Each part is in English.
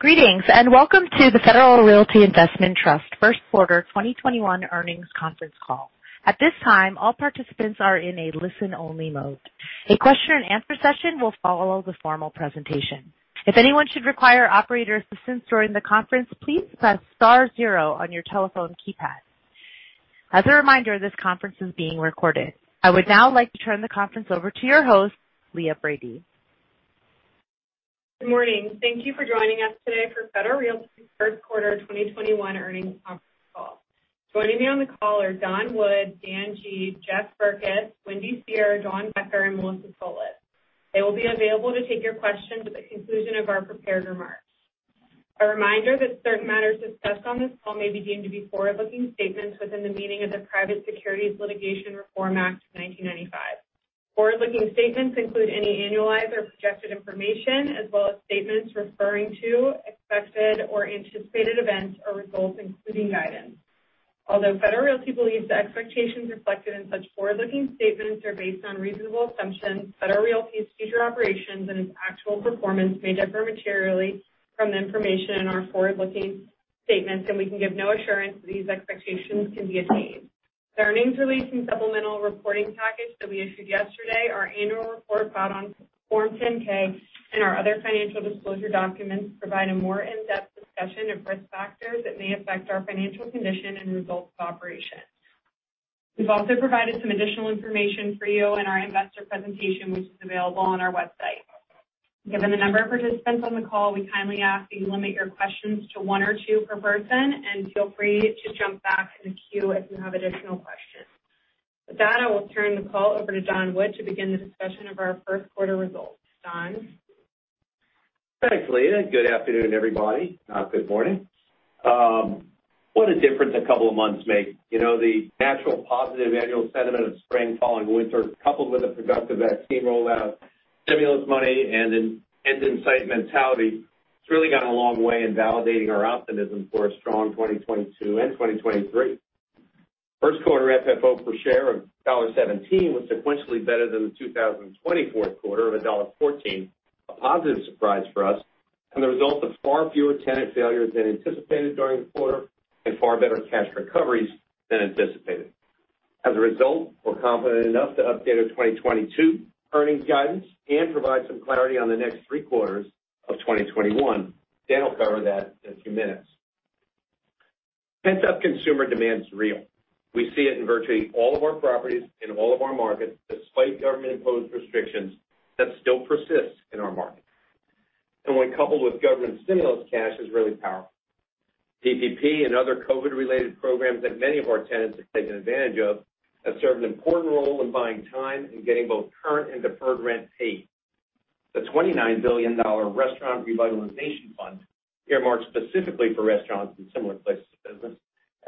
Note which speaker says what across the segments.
Speaker 1: Greetings, welcome to the Federal Realty Investment Trust first quarter 2021 earnings conference call. At this time, all participants are in a listen-only mode. A question-and-answer session will follow the formal presentation. If anyone should require operator assistance during the conference, please press star zero on your telephone keypad. As a reminder, this conference is being recorded. I would now like to turn the conference over to your host, Leah Brady.
Speaker 2: Good morning. Thank you for joining us today for Federal Realty's first quarter 2021 earnings conference call. Joining me on the call are Don Wood, Dan Gee, Jeff Berkes, Wendy Seher, Dawn Becker, and Melissa Solis. They will be available to take your questions at the conclusion of our prepared remarks. A reminder that certain matters discussed on this call may be deemed to be forward-looking statements within the meaning of the Private Securities Litigation Reform Act of 1995. Forward-looking statements include any annualized or projected information, as well as statements referring to expected or anticipated events or results, including guidance. Although Federal Realty believes the expectations reflected in such forward-looking statements are based on reasonable assumptions, Federal Realty's future operations and its actual performance may differ materially from the information in our forward-looking statements, and we can give no assurance that these expectations can be attained. The earnings release and supplemental reporting package that we issued yesterday, our annual report filed on Form 10-K, and our other financial disclosure documents provide a more in-depth discussion of risk factors that may affect our financial condition and results of operations. We've also provided some additional information for you in our investor presentation, which is available on our website. Given the number of participants on the call, we kindly ask that you limit your questions to one or two per person, and feel free to jump back in the queue if you have additional questions. With that, I will turn the call over to Don Wood to begin the discussion of our first quarter results. Don?
Speaker 3: Thanks, Leah. Good afternoon, everybody. Good morning. What a difference a couple of months make. The natural positive annual sentiment of spring following winter, coupled with a productive vaccine rollout, stimulus money, and an end-in-sight mentality, has really gone a long way in validating our optimism for a strong 2022 and 2023. First quarter FFO per share of $1.17 was sequentially better than the 2020 fourth quarter of $1.14, a positive surprise for us, and the result of far fewer tenant failures than anticipated during the quarter, and far better cash recoveries than anticipated. As a result, we're confident enough to update our 2022 earnings guidance and provide some clarity on the next three quarters of 2021. Dan will cover that in a few minutes. Pent-up consumer demand is real. We see it in virtually all of our properties in all of our markets, despite government-imposed restrictions that still persist in our markets. When coupled with government stimulus cash, it's really powerful. PPP and other COVID-related programs that many of our tenants have taken advantage of have served an important role in buying time and getting both current and deferred rent paid. The $29 billion Restaurant Revitalization Fund, earmarked specifically for restaurants and similar places of business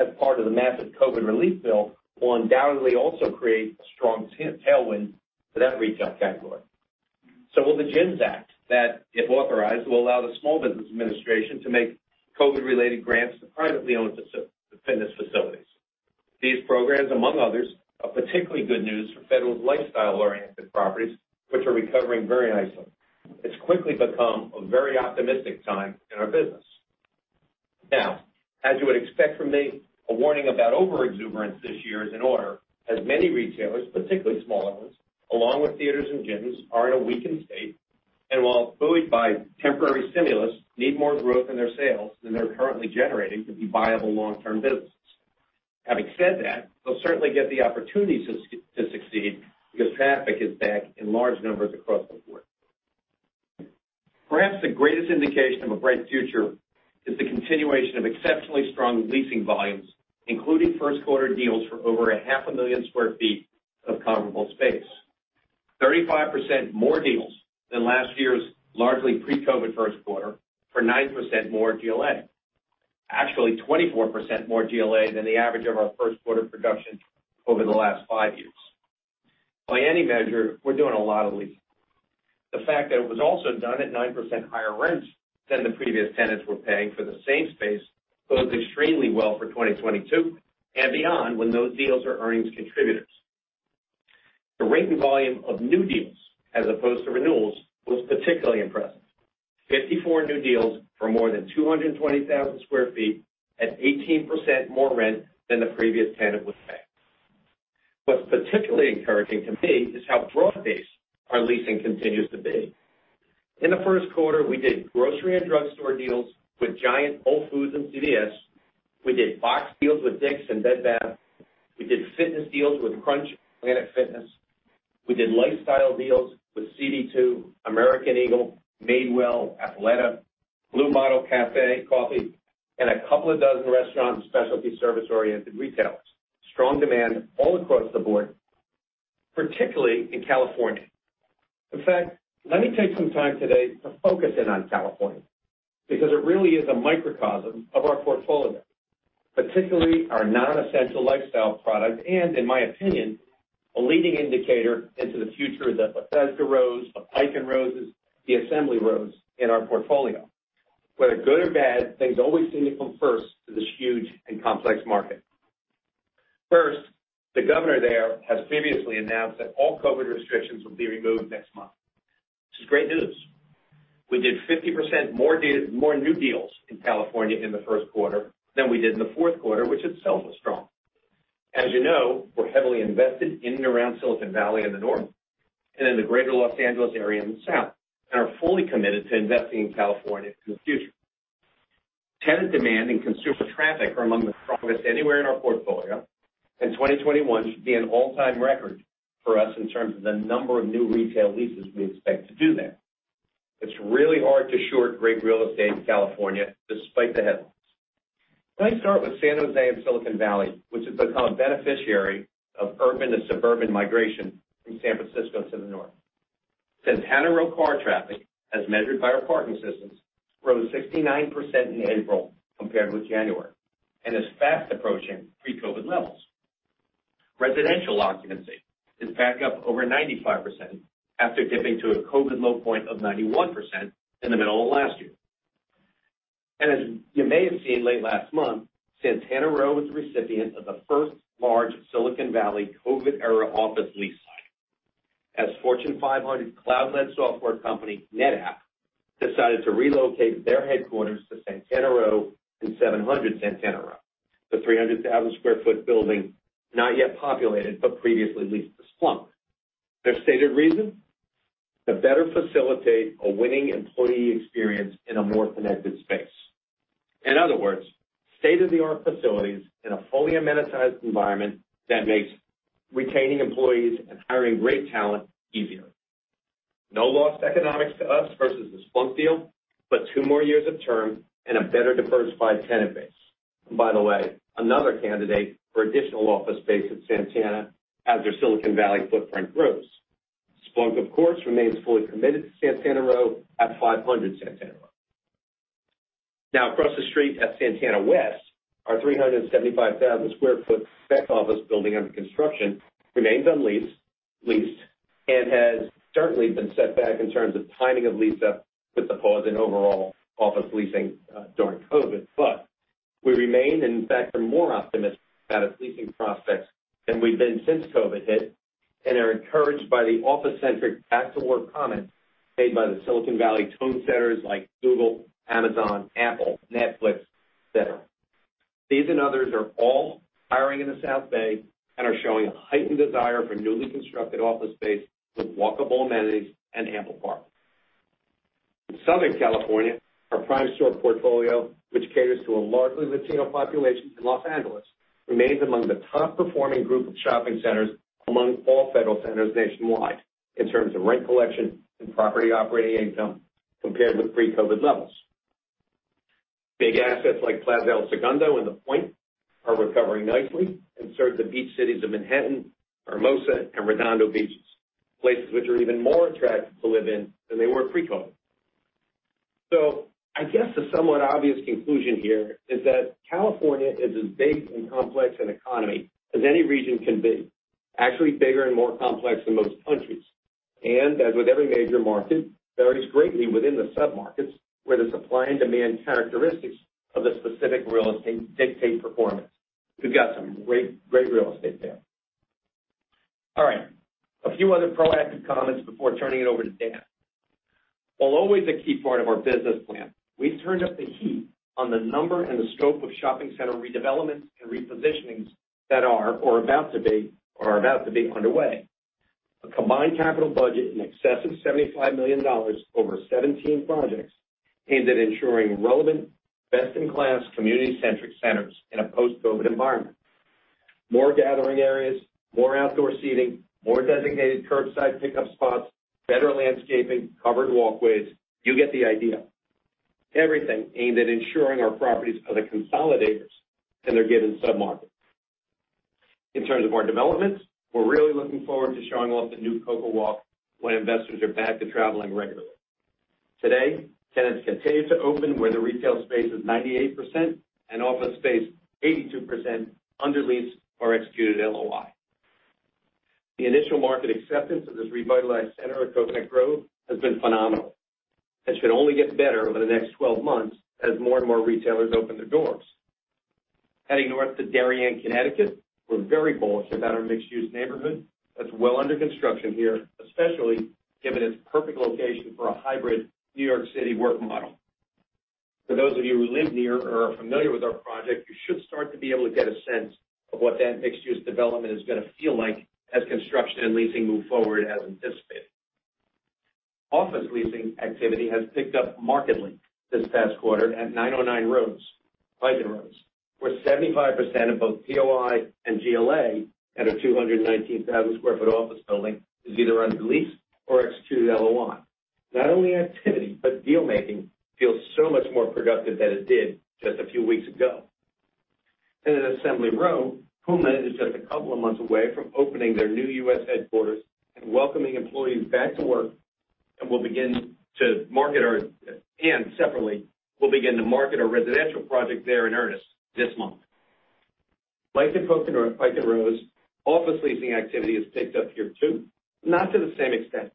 Speaker 3: as part of the massive COVID relief bill, will undoubtedly also create a strong tailwind for that retail category. Will the GYMS Act that, if authorized, will allow the Small Business Administration to make COVID-related grants to privately owned fitness facilities. These programs, among others, are particularly good news for Federal's lifestyle-oriented properties, which are recovering very nicely. It's quickly become a very optimistic time in our business. Now, as you would expect from me, a warning about overexuberance this year is in order, as many retailers, particularly smaller ones, along with theaters and gyms, are in a weakened state, and while buoyed by temporary stimulus, need more growth in their sales than they're currently generating to be viable long-term businesses. Having said that, they'll certainly get the opportunity to succeed because traffic is back in large numbers across the board. Perhaps the greatest indication of a bright future is the continuation of exceptionally strong leasing volumes, including first quarter deals for over a 500.000 sq ft of comparable space. 35% more deals than last year's largely pre-COVID first quarter for 9% more GLA. Actually, 24% more GLA than the average of our first quarter production over the last five years. By any measure, we're doing a lot of leasing. The fact that it was also done at 9% higher rents than the previous tenants were paying for the same space bodes extremely well for 2022 and beyond when those deals are earnings contributors. The rate and volume of new deals as opposed to renewals was particularly impressive. 54 new deals for more than 220,000 sq ft at 18% more rent than the previous tenant was paying. What's particularly encouraging to me is how broad-based our leasing continues to be. In the first quarter, we did grocery and drugstore deals with Giant, Whole Foods, and CVS. We did box deals with Dick's and Bed Bath. We did fitness deals with Crunch and Planet Fitness. We did lifestyle deals with CB2, American Eagle, Madewell, Athleta, Blue Bottle Coffee, and a couple of dozen restaurants and specialty service-oriented retailers. Strong demand all across the board, particularly in California. In fact, let me take some time today to focus in on California, because it really is a microcosm of our portfolio, particularly our non-essential lifestyle product, and in my opinion, a leading indicator into the future of the Bethesda Rows, the Tysons Rows, the Assembly Rows in our portfolio. Whether good or bad, things always seem to come first to this huge and complex market. The governor there has previously announced that all COVID restrictions will be removed next month, which is great news. We did 50% more new deals in California in the first quarter than we did in the fourth quarter, which itself was strong. As you know, we're heavily invested in and around Silicon Valley in the north, and in the greater Los Angeles area in the south, and are fully committed to investing in California in the future. Tenant demand and consumer traffic are among the strongest anywhere in our portfolio, and 2021 should be an all-time record for us in terms of the number of new retail leases we expect to do there. It's really hard to short great real estate in California despite the headlines. Let me start with San Jose in Silicon Valley, which has become a beneficiary of urban to suburban migration from San Francisco to the north. Santana Row car traffic, as measured by our parking systems, rose 69% in April compared with January, and is fast approaching pre-COVID levels. Residential occupancy is back up over 95% after dipping to a COVID low point of 91% in the middle of last year. As you may have seen late last month, Santana Row was the recipient of the first large Silicon Valley COVID-era office lease signing, as Fortune 500 cloud-led software company NetApp decided to relocate their headquarters to Santana Row in 700 Santana Row. The 300,000 sq ft building, not yet populated, but previously leased to Splunk. Their stated reason? To better facilitate a winning employee experience in a more connected space. In other words, state-of-the-art facilities in a fully amenitized environment that makes retaining employees and hiring great talent easier. No lost economics to us versus the Splunk deal, but two more years of term and a better diversified tenant base. By the way, another candidate for additional office space at Santana as their Silicon Valley footprint grows. Splunk, of course, remains fully committed to Santana Row at 500 Santana Row. Across the street at Santana West, our 375,000 sq ft spec office building under construction remains unleased, and has certainly been set back in terms of timing of lease-up with the pause in overall office leasing during COVID. We remain, and in fact, are more optimistic about its leasing prospects than we've been since COVID hit, and are encouraged by the office-centric back-to-work comments made by the Silicon Valley tone-setters like Google, Amazon, Apple, Netflix, et cetera. These and others are all hiring in the South Bay and are showing a heightened desire for newly constructed office space with walkable amenities and ample parking. In Southern California, our Primestor portfolio, which caters to a largely Latino population in Los Angeles, remains among the top performing group of shopping centers among all Federal centers nationwide in terms of rent collection and property operating income compared with pre-COVID levels. Big assets like Plaza El Segundo and The Point are recovering nicely and serve the beach cities of Manhattan, Hermosa, and Redondo Beaches, places which are even more attractive to live in than they were pre-COVID. I guess the somewhat obvious conclusion here is that California is as big and complex an economy as any region can be, actually bigger and more complex than most countries. As with every major market, varies greatly within the submarkets, where the supply and demand characteristics of the specific real estate dictate performance. We've got some great real estate there. All right. A few other proactive comments before turning it over to Dan. While always a key part of our business plan, we've turned up the heat on the number and the scope of shopping center redevelopments and repositionings that are or are about to be underway. A combined capital budget in excess of $75 million over 17 projects aimed at ensuring relevant, best-in-class community centric centers in a post-COVID environment. More gathering areas, more outdoor seating, more designated curbside pickup spots, better landscaping, covered walkways. You get the idea. Everything aimed at ensuring our properties are the consolidators in their given submarket. In terms of our developments, we're really looking forward to showing off the new CocoWalk when investors are back to traveling regularly. Today, tenants continue to open where the retail space is 98% and office space 82% under lease or executed LOI. The initial market acceptance of this revitalized center at Coconut Grove has been phenomenal, and should only get better over the next 12 months as more and more retailers open their doors. Heading north to Darien, Connecticut, we're very bullish about our mixed-use neighborhood that's well under construction here, especially given its perfect location for a hybrid New York City work model. For those of you who live near or are familiar with our project, you should start to be able to get a sense of what that mixed-use development is going to feel like as construction and leasing move forward as anticipated. Office leasing activity has picked up markedly this past quarter at 909 Rose, Pike & Rose, where 75% of both POI and GLA at a 219,000 sq ft office building is either under lease or executed LOI. Not only activity, but deal-making feels so much more productive than it did just a few weeks ago. At Assembly Row, PUMA is just a couple of months away from opening their new U.S. headquarters and welcoming employees back to work, and separately, we'll begin to market our residential project there in earnest this month. Like in Pike & Rose, office leasing activity has picked up here too, not to the same extent.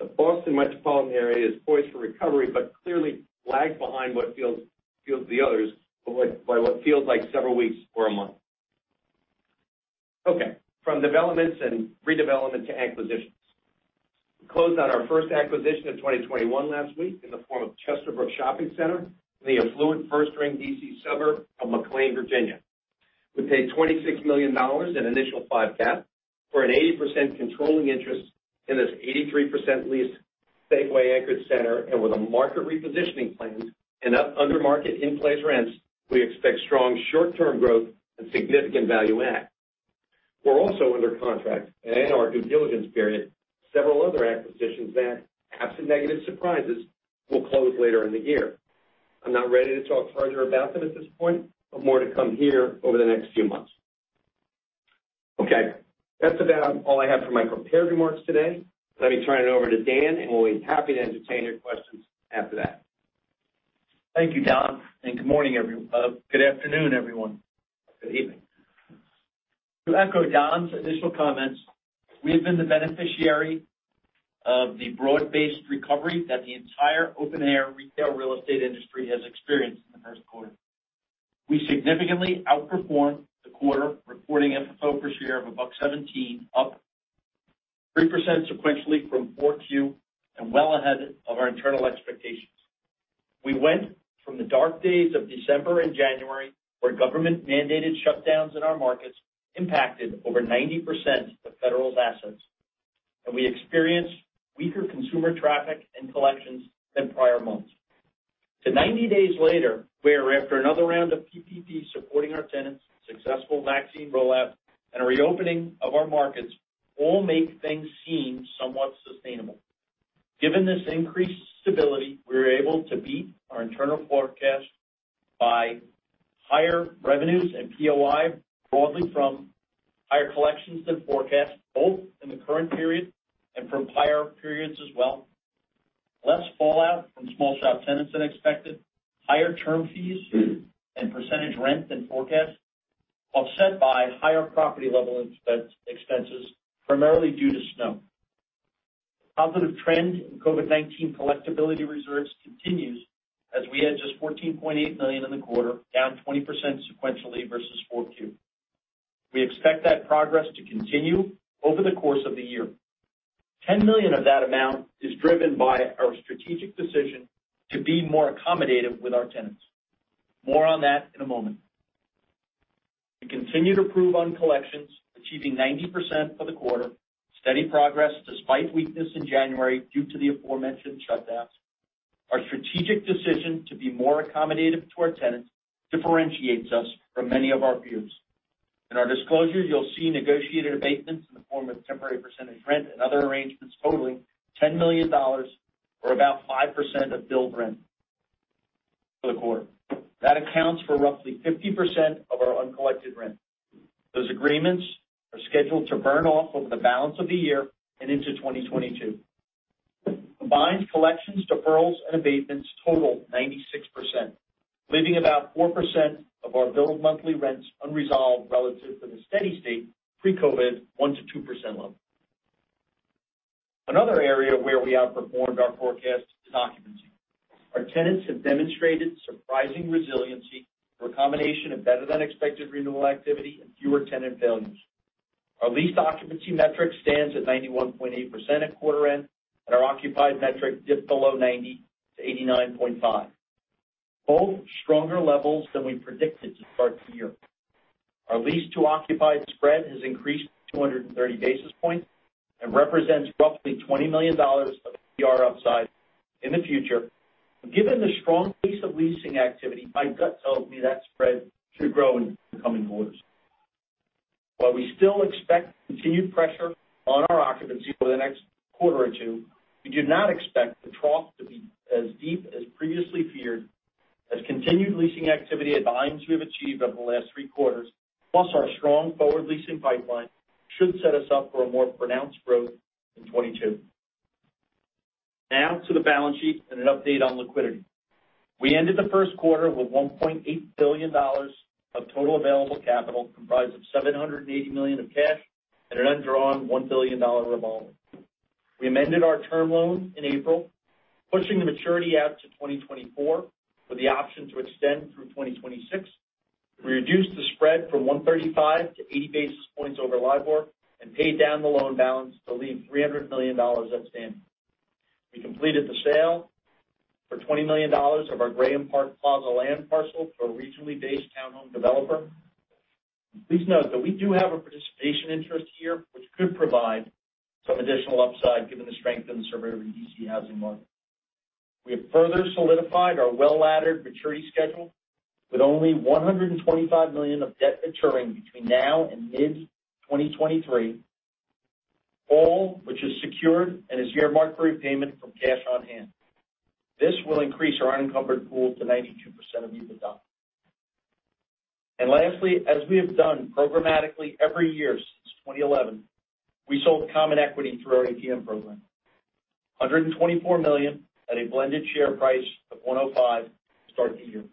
Speaker 3: The Boston metropolitan area is poised for recovery, but clearly lags behind what feels the others by what feels like several weeks or a month. Okay. From developments and redevelopment to acquisitions. We closed on our first acquisition of 2021 last week in the form of Chesterbrook Shopping Center in the affluent first-ring D.C. suburb of McLean, Virginia. We paid $26 million in initial 5 cap for an 80% controlling interest in this 83% leased Safeway anchored center. With a market repositioning planned and under-market in-place rents, we expect strong short-term growth and significant value add. We're also under contract and in our due diligence period, several other acquisitions that, absent negative surprises, will close later in the year. I'm not ready to talk further about them at this point, but more to come here over the next few months. Okay. That's about all I have for my prepared remarks today. Let me turn it over to Dan, and we'll be happy to entertain your questions after that.
Speaker 4: Thank you, Don. Good afternoon, everyone. Good evening. To echo Don's initial comments, we have been the beneficiary of the broad-based recovery that the entire open-air retail real estate industry has experienced in the first quarter. We significantly outperformed the quarter reporting FFO per share of $1.17, up 3% sequentially from 4Q, well ahead of our internal expectations. We went from the dark days of December and January, where government-mandated shutdowns in our markets impacted over 90% of Federal's assets, we experienced weaker consumer traffic and collections than prior months. To 90 days later, where after another round of PPP supporting our tenants, successful vaccine rollout, a reopening of our markets all make things seem somewhat sustainable. Given this increased stability, we were able to beat our internal forecast by higher revenues and POI broadly from higher collections than forecast, both in the current period and from prior periods as well. Less fallout from small shop tenants than expected, higher term fees and percentage rent than forecast, offset by higher property level expenses primarily due to snow. Positive trend in COVID-19 collectibility reserves continues as we had just $14.8 million in the quarter, down 20% sequentially versus 4Q. We expect that progress to continue over the course of the year. $10 million of that amount is driven by our strategic decision to be more accommodative with our tenants. More on that in a moment. We continue to improve on collections, achieving 90% for the quarter. Steady progress despite weakness in January due to the aforementioned shutdowns. Our strategic decision to be more accommodative to our tenants differentiates us from many of our peers. In our disclosure, you'll see negotiated abatements in the form of temporary percentage rent and other arrangements totaling $10 million or about 5% of billed rent for the quarter. That accounts for roughly 50% of our uncollected rent. Those agreements are scheduled to burn off over the balance of the year and into 2022. Combined collections deferrals and abatements total 96%, leaving about 4% of our billed monthly rents unresolved relative to the steady state pre-COVID 1%-2% level. Another area where we outperformed our forecast is occupancy. Our tenants have demonstrated surprising resiliency for a combination of better than expected renewal activity and fewer tenant failures. Our lease occupancy metric stands at 91.8% at quarter end, and our occupied metric dipped below 90% to 89.5%. Both stronger levels than we predicted to start the year. Our lease to occupied spread has increased 230 basis points and represents roughly $20 million of [DVR] upside in the future. Given the strong pace of leasing activity, my gut tells me that spread should grow in the coming quarters. While we still expect continued pressure on our occupancy over the next quarter or two, we do not expect the trough to be as deep as previously feared as continued leasing activity at the volumes we have achieved over the last three quarters, plus our strong forward leasing pipeline should set us up for a more pronounced growth in 2022. To the balance sheet and an update on liquidity. We ended the first quarter with $1.8 billion of total available capital, comprised of $780 million of cash and an undrawn $1 billion revolver. We amended our term loan in April, pushing the maturity out to 2024 with the option to extend through 2026. We reduced the spread from 135 to 80 basis points over LIBOR and paid down the loan balance to leave $300 million outstanding. We completed the sale for $20 million of our Graham Park Plaza land parcel to a regionally based town home developer. Please note that we do have a participation interest here, which could provide some additional upside given the strength of the surrounding D.C. housing market. We have further solidified our well-laddered maturity schedule with only $125 million of debt maturing between now and mid-2023, all which is secured and is earmarked for repayment from cash on hand. This will increase our unencumbered pool to 92% of EBITDA. Lastly, as we have done programmatically every year since 2011, we sold common equity through our ATM program. $124 million at a blended share price of $105 to start the year.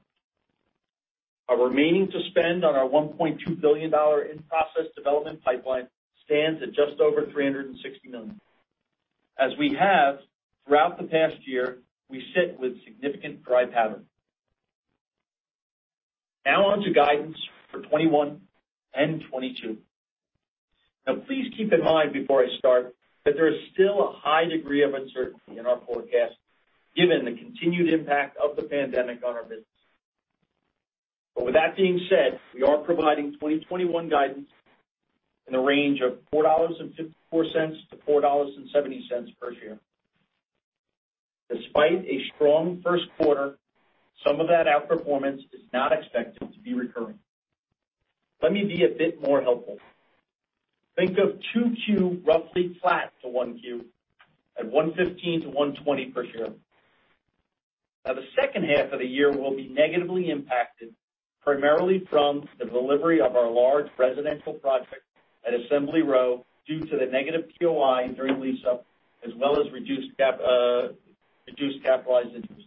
Speaker 4: Our remaining to spend on our $1.2 billion in-process development pipeline stands at just over $360 million. As we have throughout the past year, we sit with significant dry powder. On to guidance for 2021 and 2022. Please keep in mind before I start that there is still a high degree of uncertainty in our forecast given the continued impact of the pandemic on our business. With that being said, we are providing 2021 guidance in the range of $4.54 to $4.70 per share. Despite a strong first quarter, some of that outperformance is not expected to be recurring. Let me be a bit more helpful. Think of 2Q roughly flat to 1Q at $1.15 to $1.20 per share. The second half of the year will be negatively impacted primarily from the delivery of our large residential project at Assembly Row due to the negative POI during lease-up as well as reduced capitalized interest.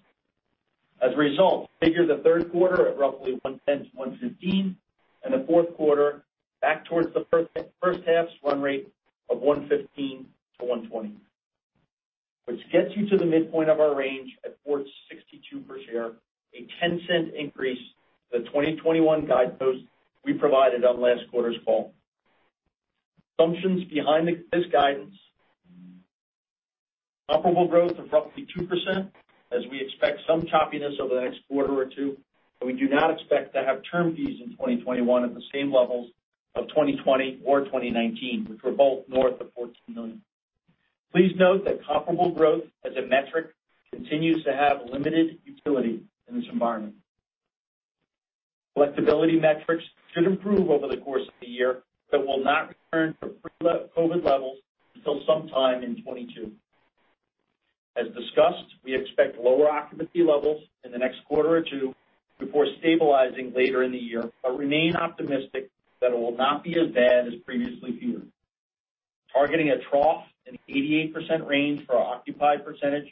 Speaker 4: As a result, figure the third quarter at roughly $1.10-$1.15 and the fourth quarter back towards the first half's run rate of $1.15-$1.20, which gets you to the midpoint of our range at $4.62 per share, a $0.10 increase to the 2021 guidepost we provided on last quarter's call. Assumptions behind this guidance. Comparable growth of roughly 2% as we expect some choppiness over the next quarter or two, but we do not expect to have term fees in 2021 at the same levels of 2020 or 2019, which were both north of $14 million. Please note that comparable growth as a metric continues to have limited utility in this environment. Collectibility metrics should improve over the course of the year but will not return to pre-COVID levels until sometime in 2022. As discussed, we expect lower occupancy levels in the next quarter or two before stabilizing later in the year, but remain optimistic that it will not be as bad as previously feared. Targeting a trough in 88% range for our occupied percentage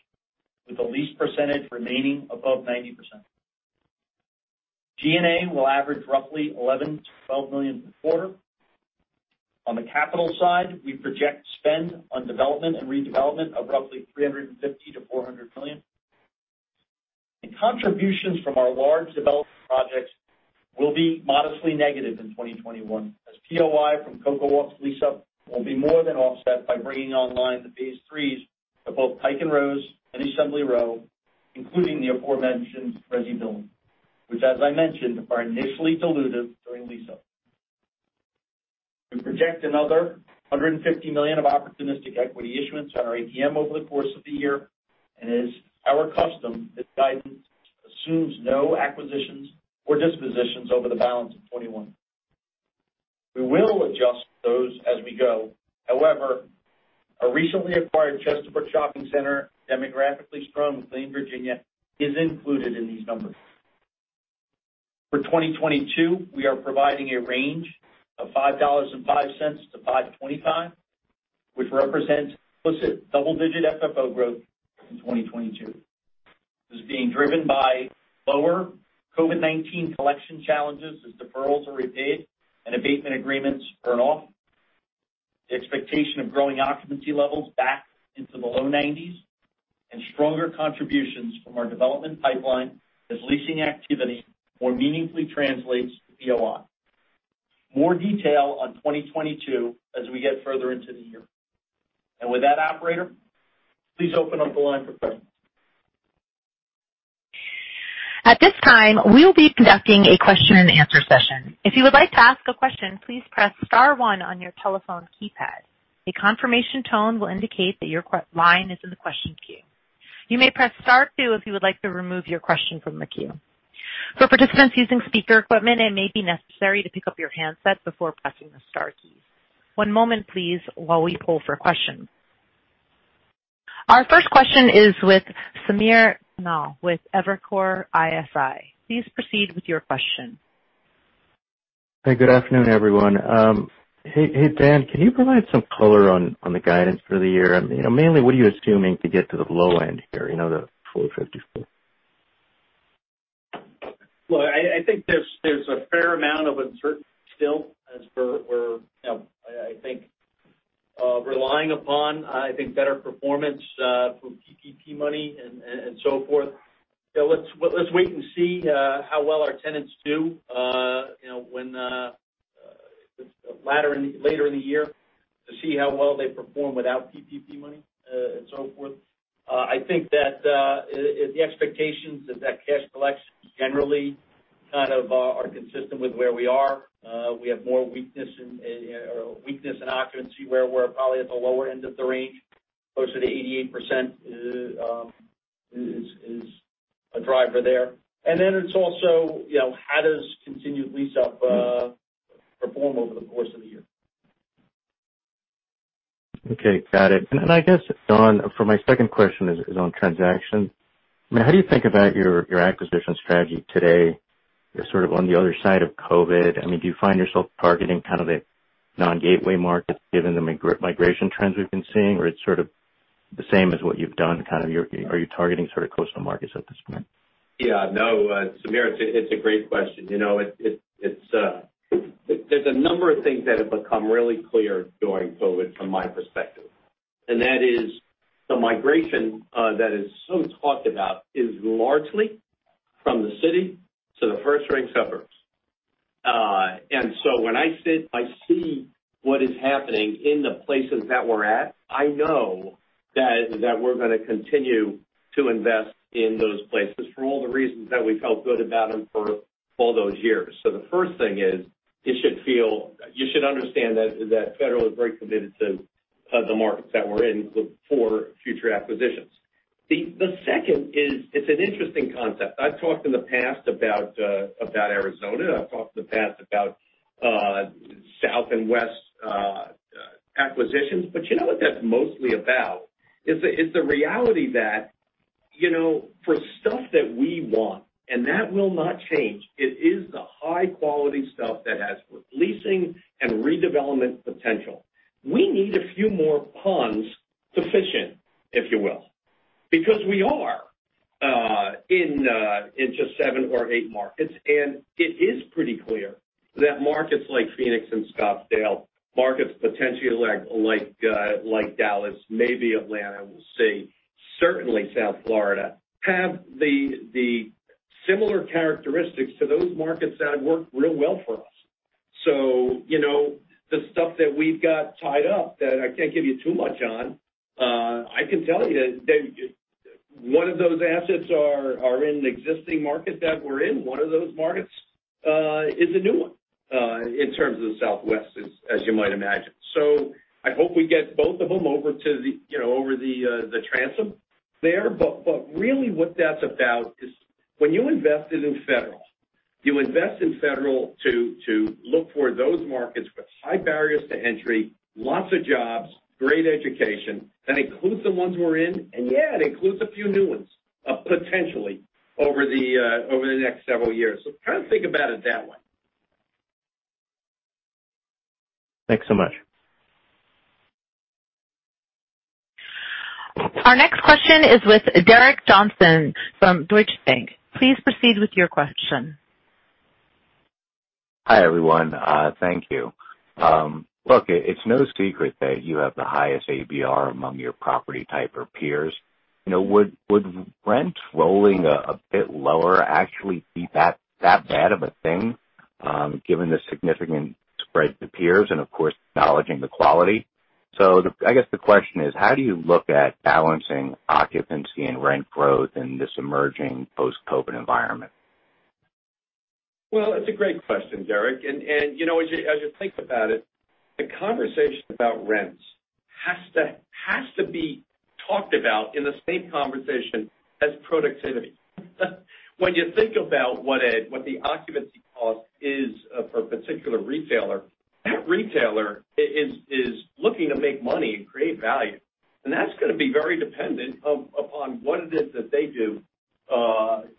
Speaker 4: with the lease percentage remaining above 90%. G&A will average roughly $11 million-$12 million per quarter. On the capital side, we project spend on development and redevelopment of roughly $350 million-$400 million. Contributions from our large development projects will be modestly negative in 2021 as POI from CocoWalk's lease-up will be more than offset by bringing online the phase IIIs of both Pike & Rose and Assembly Row, including the aforementioned resi building, which as I mentioned, are initially dilutive during lease-up. We project another $150 million of opportunistic equity issuance on our ATM over the course of the year. As our custom, this guidance assumes no acquisitions or dispositions over the balance of 2021. We will adjust those as we go. However, a recently acquired Chesterbrook shopping center demographically strong with McLean, Virginia is included in these numbers. For 2022, we are providing a range of $5.05-$5.25, which represents double-digit FFO growth in 2022. This is being driven by lower COVID-19 collection challenges as deferrals are repaid and abatement agreements burn off. The expectation of growing occupancy levels back into the low 90%s and stronger contributions from our development pipeline as leasing activity more meaningfully translates to POI. More detail on 2022 as we get further into the year. With that operator, please open up the line for questions.
Speaker 1: Our first question is with Samir Khanal with Evercore ISI. Please proceed with your question.
Speaker 5: Good afternoon, everyone. Hey, Dan, can you provide some color on the guidance for the year? What are you assuming to get to the low end here, the $4.54?
Speaker 4: Well, I think there's a fair amount of uncertainty still as we're I think relying upon better performance from PPP money and so forth. Let's wait and see how well our tenants do later in the year to see how well they perform without PPP money and so forth. I think that the expectations that cash collections generally kind of are consistent with where we are. We have more weakness in occupancy where we're probably at the lower end of the range, closer to 88% is a driver there. It's also how does continued lease-up perform over the course of the year.
Speaker 5: Okay. Got it. I guess, Don, for my second question is on transactions. How do you think about your acquisition strategy today sort of on the other side of COVID? Do you find yourself targeting kind of the non-gateway markets given the migration trends we've been seeing? It's sort of the same as what you've done. Are you targeting sort of coastal markets at this point?
Speaker 3: Yeah, no, Samir, it's a great question. There's a number of things that have become really clear during COVID from my perspective. That is the migration that is so talked about is largely from the city to the first ring suburbs. When I see what is happening in the places that we're at, I know that we're going to continue to invest in those places for all the reasons that we felt good about them for all those years. The first thing is, you should understand that Federal is very committed to the markets that we're in for future acquisitions. The second is, it's an interesting concept. I've talked in the past about Arizona, I've talked in the past about south and west acquisitions. You know what that's mostly about is the reality that for stuff that we want, and that will not change, it is the high-quality stuff that has both leasing and redevelopment potential. We need a few more ponds to fish in, if you will, because we are in just seven or eight markets. It is pretty clear that markets like Phoenix and Scottsdale, markets potentially like Dallas, maybe Atlanta, we'll see, certainly South Florida, have the similar characteristics to those markets that have worked real well for us. The stuff that we've got tied up that I can't give you too much on, I can tell you that one of those assets are in an existing market that we're in. One of those markets is a new one, in terms of the Southwest, as you might imagine. I hope we get both of them over the transom there. Really what that's about is when you invested in Federal, you invest in Federal to look for those markets with high barriers to entry, lots of jobs, great education. That includes the ones we're in, and yeah, it includes a few new ones, potentially, over the next several years. Kind of think about it that way.
Speaker 5: Thanks so much.
Speaker 1: Our next question is with Derek Johnson from Deutsche Bank. Please proceed with your question.
Speaker 6: Hi, everyone. Thank you. It's no secret that you have the highest ABR among your property type or peers. Would rent rolling a bit lower actually be that bad of a thing, given the significant spread to peers and of course, acknowledging the quality? I guess the question is, how do you look at balancing occupancy and rent growth in this emerging post-COVID environment?
Speaker 3: Well, it's a great question, Derek. As you think about it, the conversation about rents has to be talked about in the same conversation as productivity. When you think about what the occupancy cost is for a particular retailer, that retailer is looking to make money and create value. That's going to be very dependent upon what it is that they do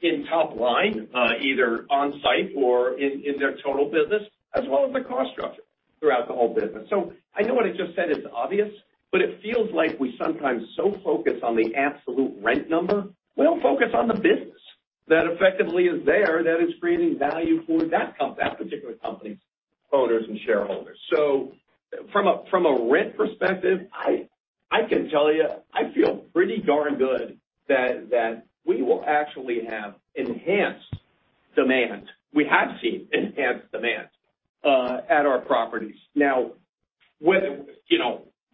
Speaker 3: in top line, either on-site or in their total business, as well as the cost structure throughout the whole business. I know what I just said is obvious, but it feels like we sometimes so focus on the absolute rent number, we don't focus on the business that effectively is there that is creating value for that particular company's owners and shareholders. From a rent perspective, I can tell you, I feel pretty darn good that we will actually have enhanced demand. We have seen enhanced demand at our properties.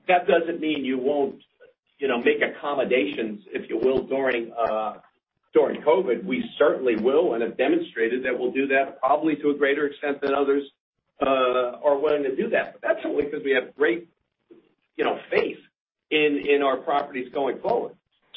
Speaker 3: That doesn't mean you won't make accommodations, if you will, during COVID. We certainly will and have demonstrated that we'll do that probably to a greater extent than others are willing to do that. That's only because we have great faith in our properties going forward.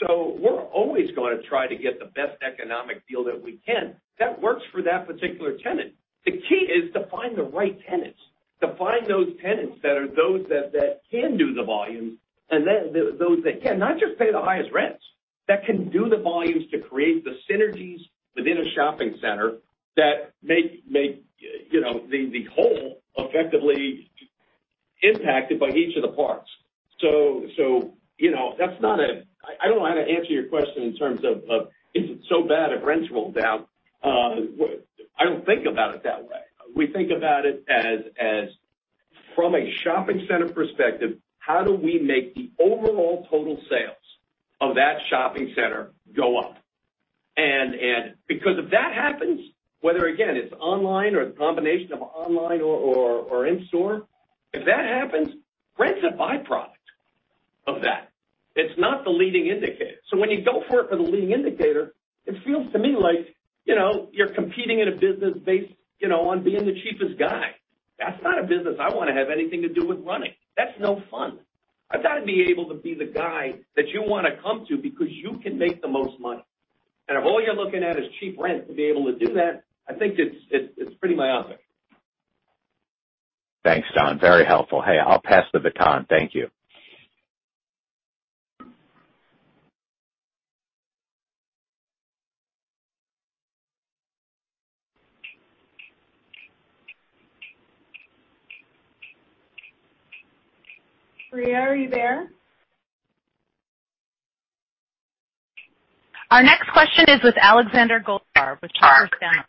Speaker 3: We're always going to try to get the best economic deal that we can that works for that particular tenant. The key is to find the right tenants, to find those tenants that are those that can do the volumes, those that can not just pay the highest rents, that can do the volumes to create the synergies within a shopping center that make the whole effectively impacted by each of the parts. I don't know how to answer your question in terms of, is it so bad if rents roll down? I don't think about it that way. We think about it as from a shopping center perspective, how do we make the overall total sales of that shopping center go up? Because if that happens, whether, again, it's online or a combination of online or in-store, if that happens, rent's a byproduct of that. It's not the leading indicator. When you go for it for the leading indicator, it feels to me like you're competing in a business based on being the cheapest guy. That's not a business I want to have anything to do with running. That's no fun. I've got to be able to be the guy that you want to come to because you can make the most money. If all you're looking at is cheap rent to be able to do that, I think it's pretty myopic.
Speaker 6: Thanks, Don. Very helpful. Hey, I'll pass the baton. Thank you.
Speaker 2: Rhea, are you there?
Speaker 1: Our next question is with Alexander Goldfarb with Piper Sandler.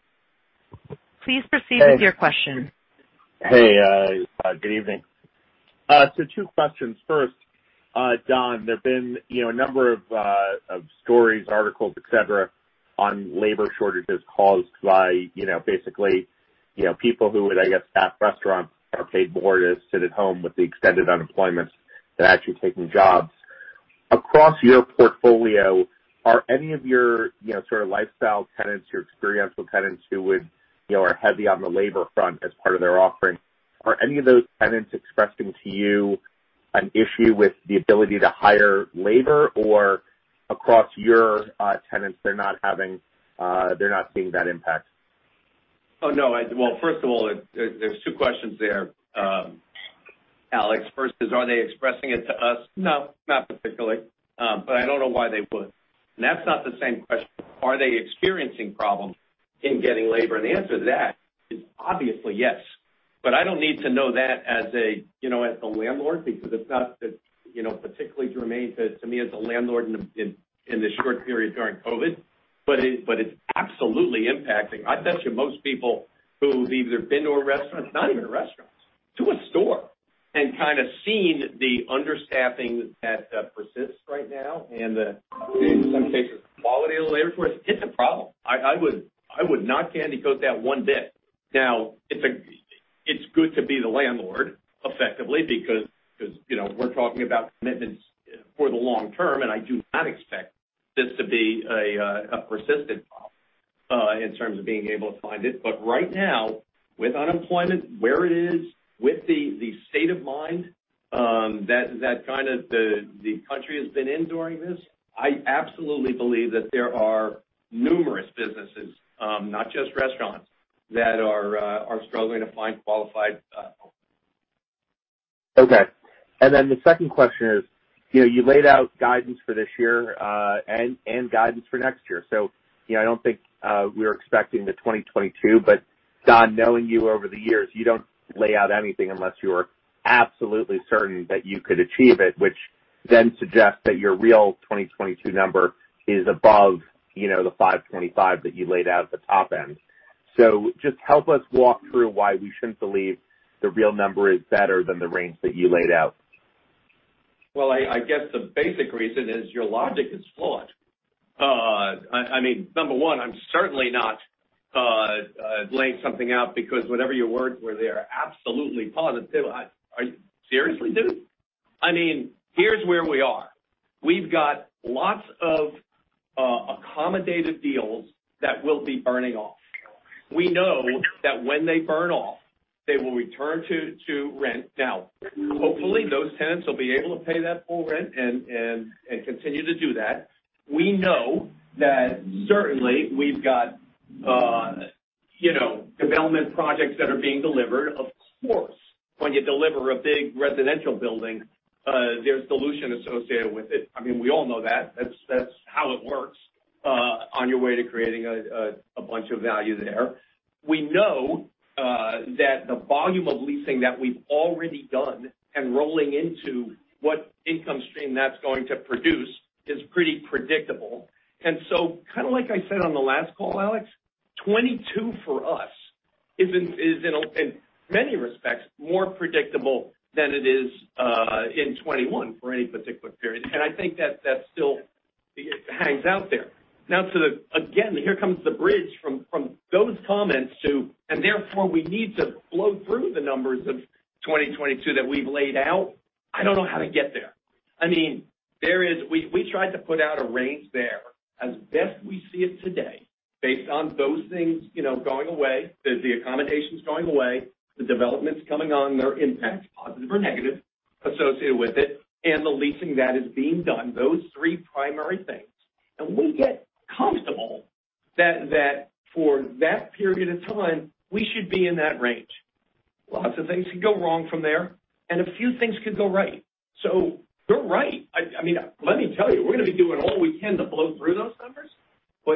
Speaker 1: Please proceed with your question.
Speaker 7: Hey, good evening. Two questions. First, Don, there've been a number of stories, articles, et cetera, on labor shortages caused by basically people who would, I guess, staff restaurants are paid more to sit at home with the extended unemployment than actually taking jobs. Across your portfolio, are any of your sort of lifestyle tenants, your experiential tenants who are heavy on the labor front as part of their offering, are any of those tenants expressing to you an issue with the ability to hire labor? Across your tenants, they're not seeing that impact?
Speaker 3: Oh, no. Well, first of all, there's two questions there, Alex. First is, are they expressing it to us? No, not particularly. I don't know why they would. That's not the same question. Are they experiencing problems in getting labor? The answer to that is obviously yes. I don't need to know that as a landlord because it's not that particularly germane to me as a landlord in the short period during COVID, but it's absolutely impacting. I bet you most people who've either been to a restaurant, not even a restaurant, to a store, and kind of seen the understaffing that persists right now and in some cases, the quality of the labor force, it's a problem. I would not candy coat that one bit. It's good to be the landlord, effectively, because we're talking about commitments for the long term. I do not expect this to be a persistent problem in terms of being able to find it. Right now, with unemployment where it is, with the state of mind that kind of the country has been in during this, I absolutely believe that there are numerous businesses, not just restaurants, that are struggling to find qualified help.
Speaker 7: Okay. The second question is, you laid out guidance for this year and guidance for next year. I don't think we were expecting the 2022, but Don, knowing you over the years, you don't lay out anything unless you are absolutely certain that you could achieve it, which then suggests that your real 2022 number is above the $5.25 that you laid out at the top end. Just help us walk through why we shouldn't believe the real number is better than the range that you laid out.
Speaker 3: Well, I guess the basic reason is your logic is flawed. Number one, I'm certainly not laying something out because whatever your words were there, absolutely positive. Are you seriously, dude? Here's where we are. We've got lots of accommodative deals that will be burning off. We know that when they burn off, they will return to rent. Hopefully, those tenants will be able to pay that full rent and continue to do that. We know that certainly we've got development projects that are being delivered. Of course, when you deliver a big residential building, there's dilution associated with it. We all know that. That's how it works on your way to creating a bunch of value there. We know that the volume of leasing that we've already done and rolling into what income stream that's going to produce is pretty predictable. Kind of like I said on the last call, Alex, 2022 for us is in many respects more predictable than it is in 2021 for any particular period. I think that still hangs out there. Now to the, again, here comes the bridge from those comments to, therefore we need to blow through the numbers of 2022 that we've laid out. I don't know how to get there. We tried to put out a range there as best we see it today based on those things going away. There's the accommodations going away, the developments coming on, their impacts, positive or negative, associated with it, and the leasing that is being done, those three primary things. We get comfortable that for that period of time, we should be in that range. Lots of things could go wrong from there, and a few things could go right. You're right. Let me tell you, we're going to be doing all we can to blow through those numbers, but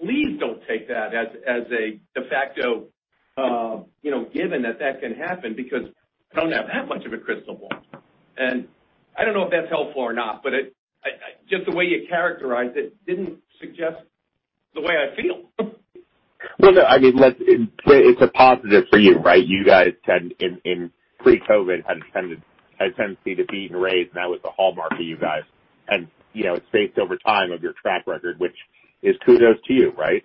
Speaker 3: please don't take that as a de facto given that can happen because I don't have that much of a crystal ball. I don't know if that's helpful or not, but just the way you characterized it didn't suggest the way I feel.
Speaker 7: Well, no, it's a positive for you, right? You guys tend in pre-COVID, had a tendency to beat and raises. That was the hallmark for you guys. It's based over time of your track record, which is kudos to you, right?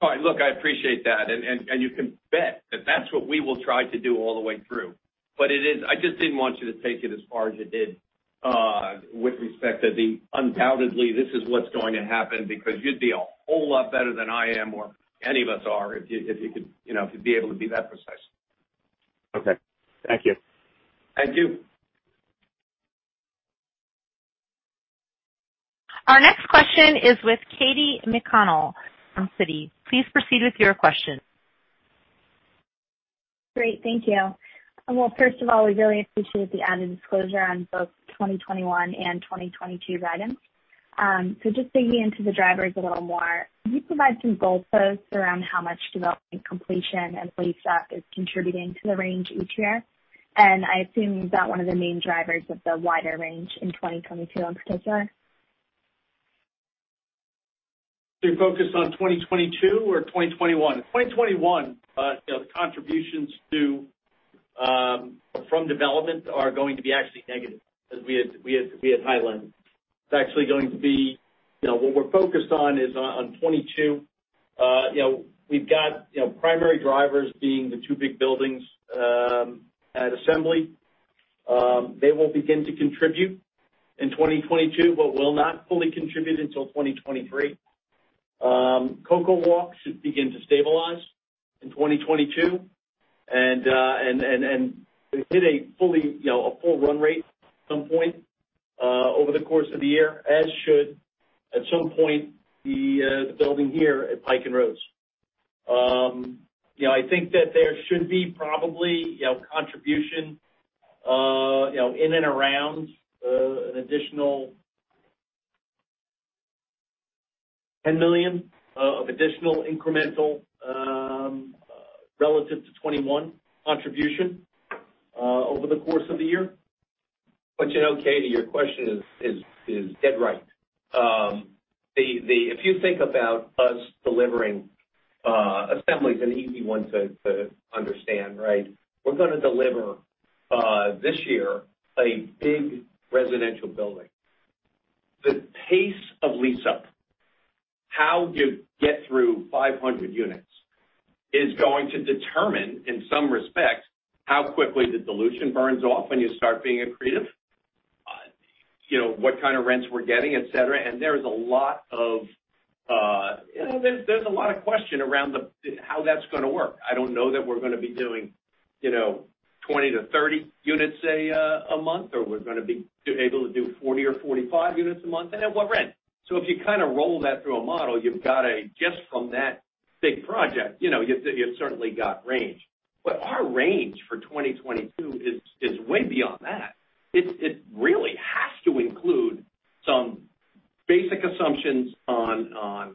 Speaker 3: All right. Look, I appreciate that, and you can bet that's what we will try to do all the way through. I just didn't want you to take it as far as you did with respect to the undoubtedly this is what's going to happen because you'd be a whole lot better than I am or any of us are if you could be able to be that precise.
Speaker 7: Okay. Thank you.
Speaker 3: Thank you.
Speaker 1: Our next question is with Katy McConnell from Citi. Please proceed with your question.
Speaker 8: Great. Thank you. Well, first of all, we really appreciate the added disclosure on both 2021 and 2022 guidance. Just digging into the drivers a little more, can you provide some goalposts around how much development completion and lease-up is contributing to the range each year? I assume is that one of the main drivers of the wider range in 2022 in particular?
Speaker 4: You're focused on 2022 or 2021? 2021, the contributions from development are going to be actually negative as we had highlighted. What we're focused on is on 2022. We've got primary drivers being the two big buildings at Assembly. They will begin to contribute in 2022, but will not fully contribute until 2023. CocoWalk should begin to stabilize in 2022, and hit a full run rate at some point over the course of the year, as should, at some point, the building here at Pike & Rose. I think that there should be probably contribution in and around an additional $10 million of additional incremental relative to 2021 contribution over the course of the year. You know, Katy, your question is dead right. If you think about us delivering Assembly's an easy one to understand, right? We're going to deliver this year a big residential building. The pace of lease-up, how you get through 500 units, is going to determine, in some respects, how quickly the dilution burns off when you start being accretive, what kind of rents we're getting, et cetera. There's a lot of question around how that's going to work. I don't know that we're going to be doing 20 to 30 units a month, or we're going to be able to do 40 or 45 units a month, and at what rent. If you kind of roll that through a model, just from that big project, you've certainly got range. Our range for 2022 is way beyond that. It really has to include some basic assumptions on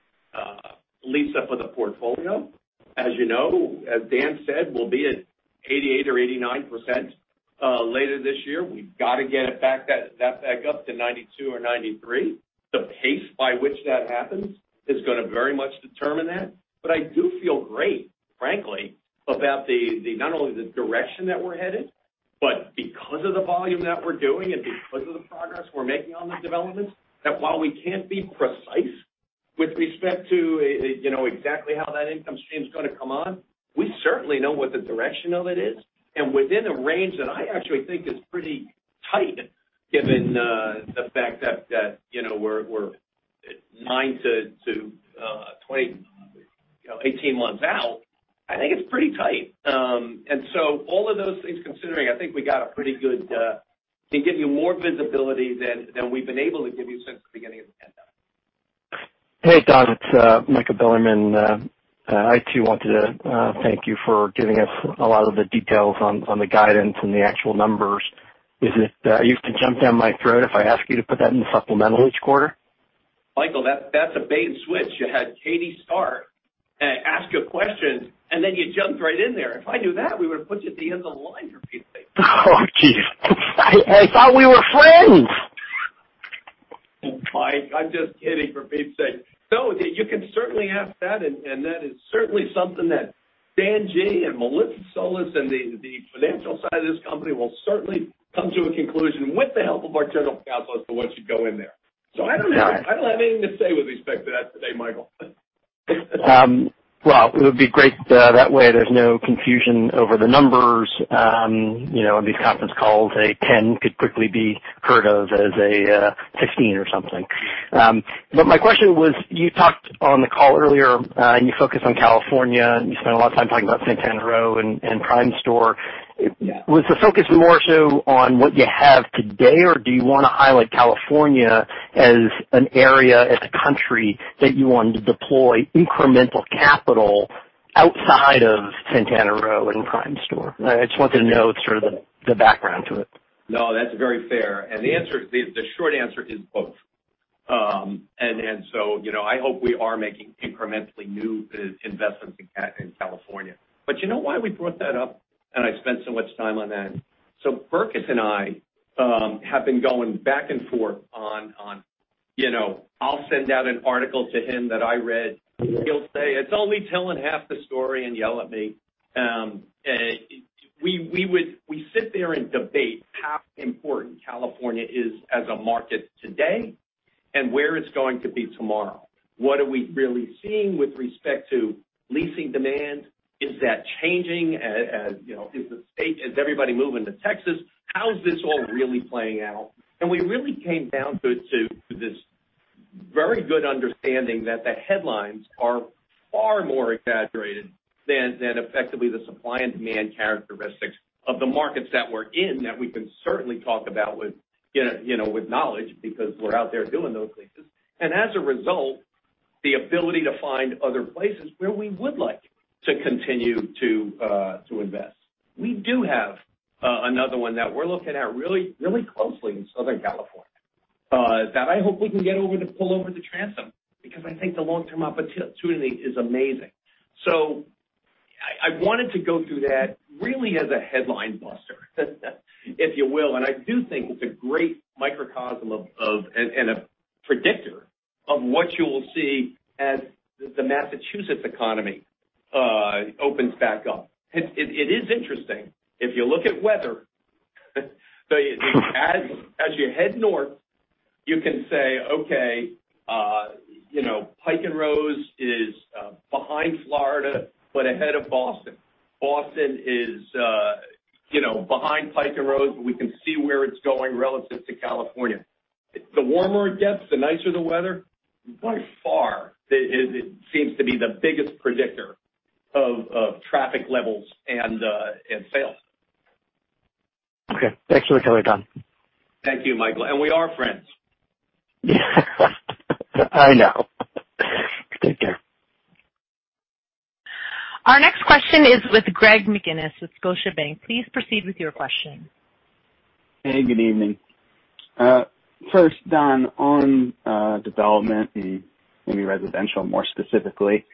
Speaker 4: lease-up of the portfolio. As you know, as Dan said, we'll be at 88% or 89% later this year. We've got to get that back up to 92% or 93%. The pace by which that happens is going to very much determine that. I do feel great, frankly, about not only the direction that we're headed, but because of the volume that we're doing and because of the progress we're making on those developments, that while we can't be precise with respect to exactly how that income stream's going to come on, we certainly know what the direction of it is, and within a range that I actually think is pretty tight given the fact that we're nine to 18 months out. I think it's pretty tight. All of those things considering, I think can give you more visibility than we've been able to give you since the beginning of the pandemic.
Speaker 9: Hey, Don Wood, it's Michael Bilerman. I too wanted to thank you for giving us a lot of the details on the guidance and the actual numbers. Are you going to jump down my throat if I ask you to put that in the supplemental each quarter?
Speaker 4: Michael, that's a bait and switch. You had Katy start and ask a question, and then you jumped right in there. If I knew that, we would've put you at the end of the line, for Pete's sake.
Speaker 3: Oh, geez. I thought we were friends.
Speaker 4: Mike, I'm just kidding, for Pete's sake. No, you can certainly ask that. That is certainly something that Dan Gee and Melissa Solis and the financial side of this company will certainly come to a conclusion with the help of our general counsel as to what should go in there. I don't have anything to say with respect to that today, Michael.
Speaker 9: Well, it would be great. That way, there is no confusion over the numbers on these conference calls. A 10 could quickly be heard of as a 16 or something. My question was, you talked on the call earlier, and you focused on California, and you spent a lot of time talking about Santana Row and Primestor.
Speaker 3: Yeah.
Speaker 9: Was the focus more so on what you have today, or do you want to highlight California as an area, as a country, that you wanted to deploy incremental capital outside of Santana Row and Primestor? I just wanted to know sort of the background to it.
Speaker 3: No, that's very fair. The short answer is both. I hope we are making incrementally new investments in California. You know why we brought that up and I spent so much time on that? Jeff Berkes and I have been going back and forth on I'll send out an article to him that I read. He'll say, "It's only telling half the story," and yell at me. We sit there and debate how important California is as a market today and where it's going to be tomorrow. What are we really seeing with respect to leasing demand? Is that changing? Is everybody moving to Texas? How is this all really playing out? We really came down to this very good understanding that the headlines are far more exaggerated than effectively the supply and demand characteristics of the markets that we're in, that we can certainly talk about with knowledge because we're out there doing those leases. The ability to find other places where we would like to continue to invest. We do have another one that we're looking at really closely in Southern California, that I hope we can get over to pull over the transom, because I think the long-term opportunity is amazing. I wanted to go through that really as a headline buster if you will. I do think it's a great microcosm and a predictor of what you will see as the Massachusetts economy opens back up. It is interesting, if you look at weather, as you head north, you can say, okay, Pike & Rose is behind Florida, but ahead of Boston. Boston is behind Pike & Rose, but we can see where it's going relative to California. The warmer it gets, the nicer the weather. By far, it seems to be the biggest predictor of traffic levels and sales.
Speaker 9: Okay. Thanks for the color, Don.
Speaker 3: Thank you, Michael. We are friends.
Speaker 9: I know. Take care.
Speaker 1: Our next question is with Greg McGinniss with Scotiabank. Please proceed with your question.
Speaker 10: Hey, good evening. First, Don, on development in maybe residential more specifically.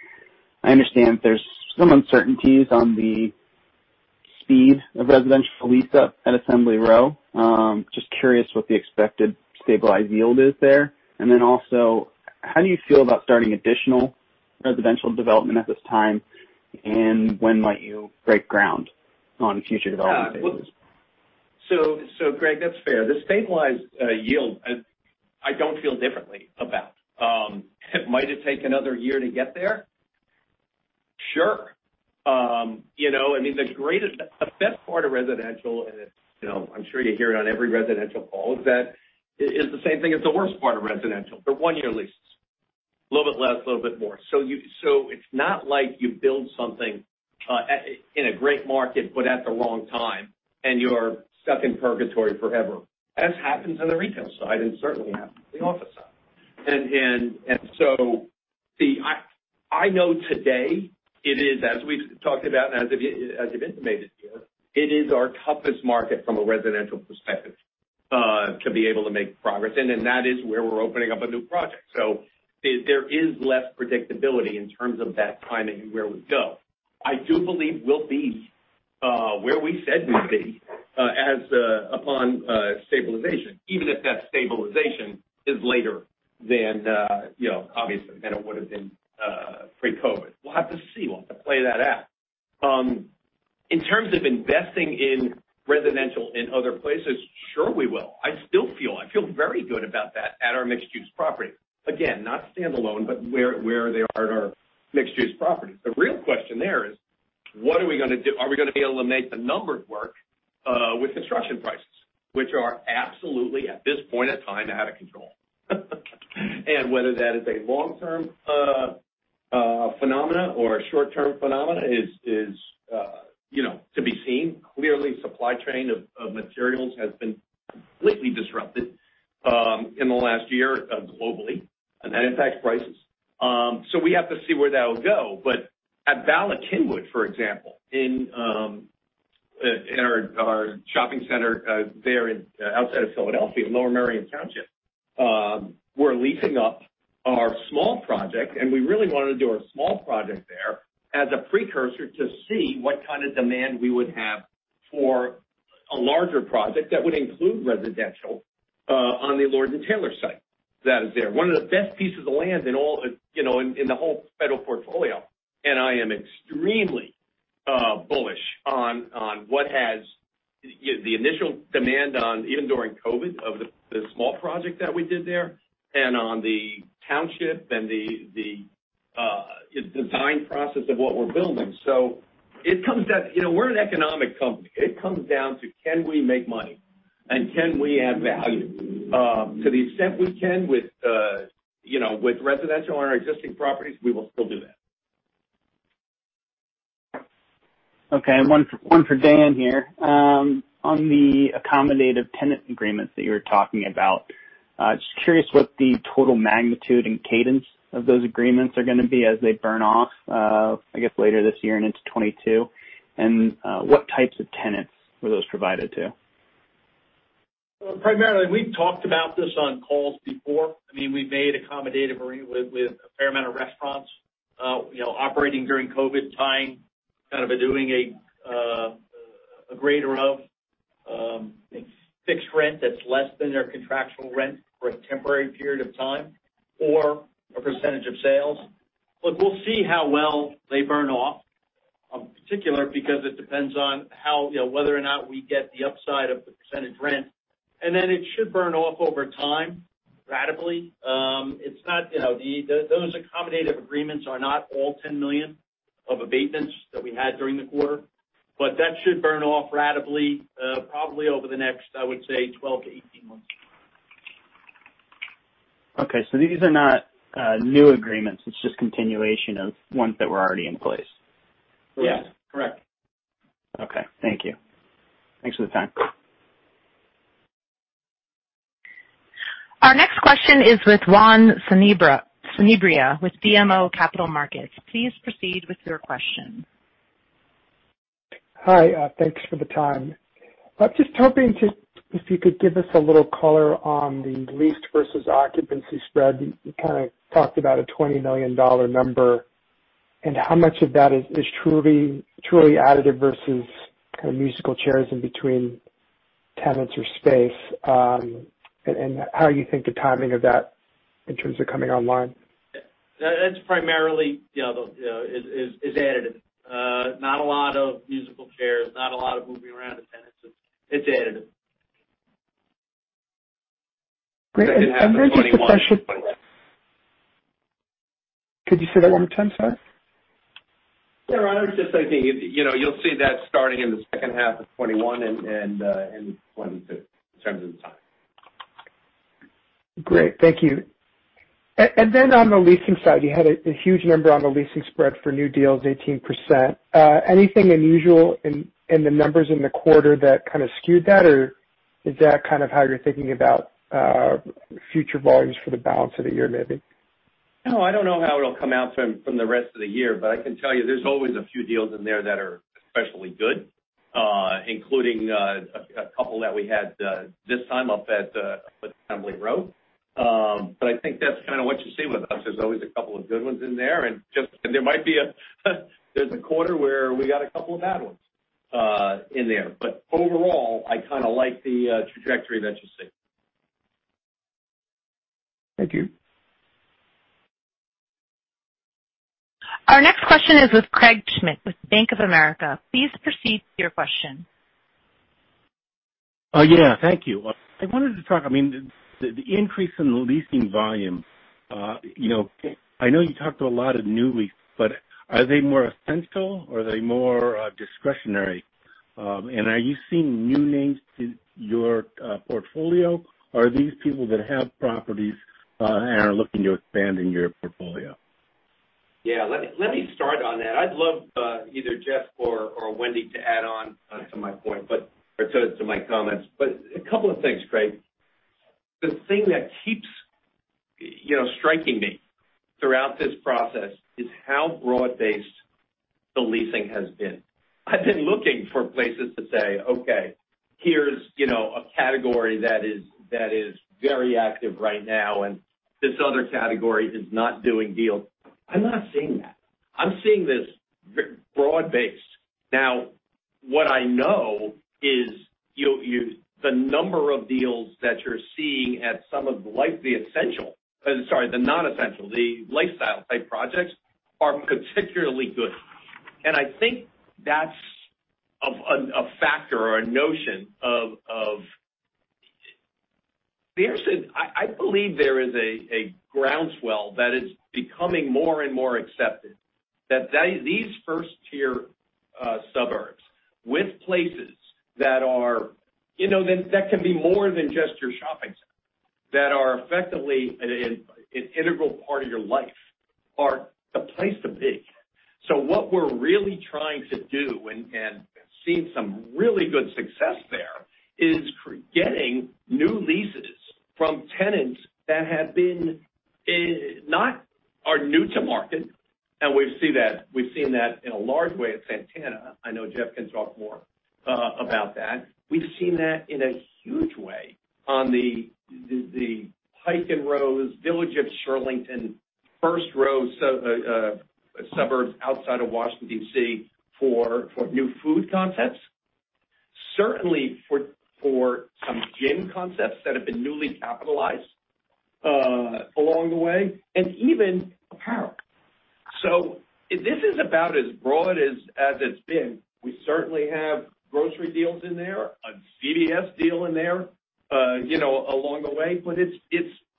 Speaker 10: I understand there's some uncertainties on the speed of residential lease-up at Assembly Row. Just curious what the expected stabilized yield is there. Then also, how do you feel about starting additional residential development at this time, and when might you break ground on future development phases?
Speaker 3: Greg, that's fair. The stabilized yield, I don't feel differently about. Might it take another year to get there? Sure. The best part of residential, and I'm sure you hear it on every residential call is that it's the same thing as the worst part of residential, they're one-year leases. A little bit less, a little bit more. It's not like you build something in a great market, but at the wrong time, and you're stuck in purgatory forever, as happens on the retail side, and certainly happens on the office side. See, I know today it is, as we've talked about and as you've intimated here, it is our toughest market from a residential perspective to be able to make progress in, and that is where we're opening up a new project. There is less predictability in terms of that timing and where we go. I do believe we'll be where we said we'd be upon stabilization, even if that stabilization is later than obviously it would've been pre-COVID. We'll have to see. We'll have to play that out. In terms of investing in residential in other places, sure we will. I feel very good about that at our mixed-use property. Again, not standalone, but where they are at our mixed-use properties. The real question there is what are we going to do? Are we going to be able to make the numbers work with construction prices, which are absolutely, at this point in time, out of control. Whether that is a long-term phenomena or a short-term phenomena is to be seen. Clearly, supply chain of materials has been completely disrupted in the last year globally, and that impacts prices. We have to see where that'll go. At Bala Cynwyd, for example, in our shopping center there outside of Philadelphia in Lower Merion Township, we're leasing up our small project, and we really want to do our small project there as a precursor to see what kind of demand we would have for a larger project that would include residential on the Lord & Taylor site that is there. One of the best pieces of land in the whole Federal portfolio. I am extremely bullish on the initial demand, even during COVID, of the small project that we did there, and on the township and the design process of what we're building. We're an economic company. It comes down to can we make money, and can we add value? To the extent we can with residential on our existing properties, we will still do that.
Speaker 10: Okay. One for Dan here. On the accommodative tenant agreements that you were talking about, just curious what the total magnitude and cadence of those agreements are going to be as they burn off, I guess, later this year and into 2022. What types of tenants were those provided to?
Speaker 4: Primarily, we've talked about this on calls before. We've made accommodative agreements with a fair amount of restaurants operating during COVID time, kind of doing a greater of fixed rent that's less than their contractual rent for a temporary period of time, or a percentage of sales. Look, we'll see how well they burn off, in particular because it depends on whether or not we get the upside of the percentage rent. It should burn off over time ratably. Those accommodative agreements are not all $10 million of abatements that we had during the quarter. That should burn off ratably probably over the next, I would say, 12 to 18 months.
Speaker 10: Okay. These are not new agreements, it's just continuation of ones that were already in place?
Speaker 3: Yes. Correct.
Speaker 10: Okay. Thank you. Thanks for the time.
Speaker 1: Our next question is with Juan Sanabria, with BMO Capital Markets. Please proceed with your question.
Speaker 11: Hi. Thanks for the time. I was just hoping if you could give us a little color on the leased versus occupancy spread. You kind of talked about a $20 million number, and how much of that is truly additive versus kind of musical chairs in between tenants or space, and how you think the timing of that in terms of coming online.
Speaker 3: That's primarily is additive. Not a lot of musical chairs, not a lot of moving around of tenants. It's additive.
Speaker 11: Great.
Speaker 3: Second half of 2021.
Speaker 11: Could you say that one more time, sorry?
Speaker 3: Yeah, Juan, just I think, you'll see that starting in the second half of 2021 and 2022, in terms of the timing.
Speaker 11: Great, thank you. Then on the leasing side, you had a huge number on the leasing spread for new deals, 18%. Anything unusual in the numbers in the quarter that kind of skewed that, or is that kind of how you're thinking about future volumes for the balance of the year maybe?
Speaker 3: No, I don't know how it'll come out from the rest of the year, but I can tell you there's always a few deals in there that are especially good, including a couple that we had, this time up at Assembly Row. I think that's kind of what you see with us. There's always a couple of good ones in there, and there might be a quarter where we got a couple of bad ones in there. Overall, I kind of like the trajectory that you see.
Speaker 11: Thank you.
Speaker 1: Our next question is with Craig Schmidt with Bank of America. Please proceed with your question.
Speaker 12: Yeah. Thank you. I wanted to talk, the increase in the leasing volume. I know you talked to a lot of new leases, but are they more essential or are they more discretionary? Are you seeing new names to your portfolio, or are these people that have properties and are looking to expand in your portfolio?
Speaker 3: Yeah. Let me start on that. I'd love either Jeff or Wendy to add on to my point or to my comments. A couple of things, Craig. The thing that keeps striking me throughout this process is how broad-based the leasing has been. I've been looking for places to say, okay, here's a category that is very active right now, and this other category is not doing deals. I'm not seeing that. I'm seeing this broad-based. What I know is the number of deals that you're seeing at some of the non-essential, the lifestyle type projects are particularly good. I think that's a factor or a notion of I believe there is a groundswell that is becoming more and more accepted that these first-tier suburbs with places that can be more than just your shopping center, that are effectively an integral part of your life, are the place to be. What we're really trying to do, and seeing some really good success there, is getting new leases from tenants that are new to market, and we've seen that in a large way at Santana. I know Jeff can talk more about that. We've seen that in a huge way on the Pike & Rose, Village at Shirlington, first row of suburbs outside of Washington, D.C. for new food concepts, certainly for some gym concepts that have been newly capitalized along the way, and even apparel. This is about as broad as it's been. We certainly have grocery deals in there, a CVS deal in there along the way.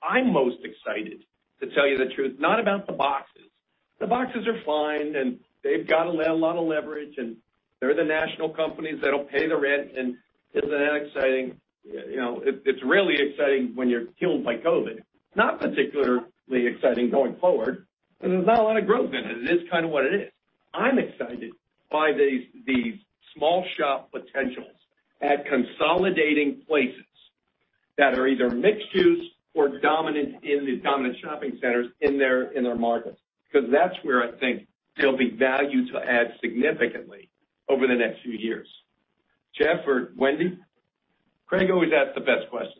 Speaker 3: I'm most excited, to tell you the truth, not about the boxes. The boxes are fine, they've got a lot of leverage, they're the national companies that'll pay the rent, isn't that exciting? It's really exciting when you're killed by COVID. Not particularly exciting going forward because there's not a lot of growth in it. It is kind of what it is. I'm excited by these small shop potentials at consolidating places that are either mixed use or dominant in the dominant shopping centers in their markets. That's where I think there'll be value to add significantly over the next few years. Jeff or Wendy? Craig always asks the best questions.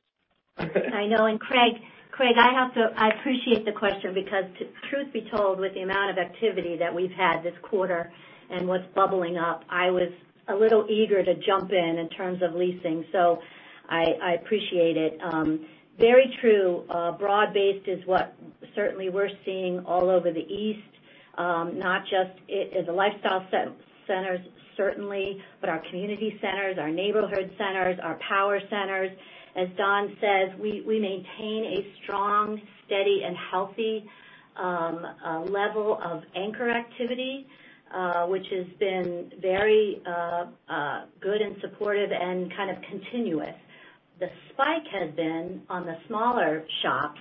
Speaker 13: I know. Craig, I appreciate the question because truth be told, with the amount of activity that we've had this quarter and what's bubbling up, I was a little eager to jump in terms of leasing. I appreciate it. Very true. Broad-based is what certainly we're seeing all over the East. Not just the lifestyle centers certainly, but our community centers, our neighborhood centers, our power centers. As Don says, we maintain a strong, steady, and healthy level of anchor activity, which has been very good and supportive and kind of continuous. The spike has been on the smaller shops.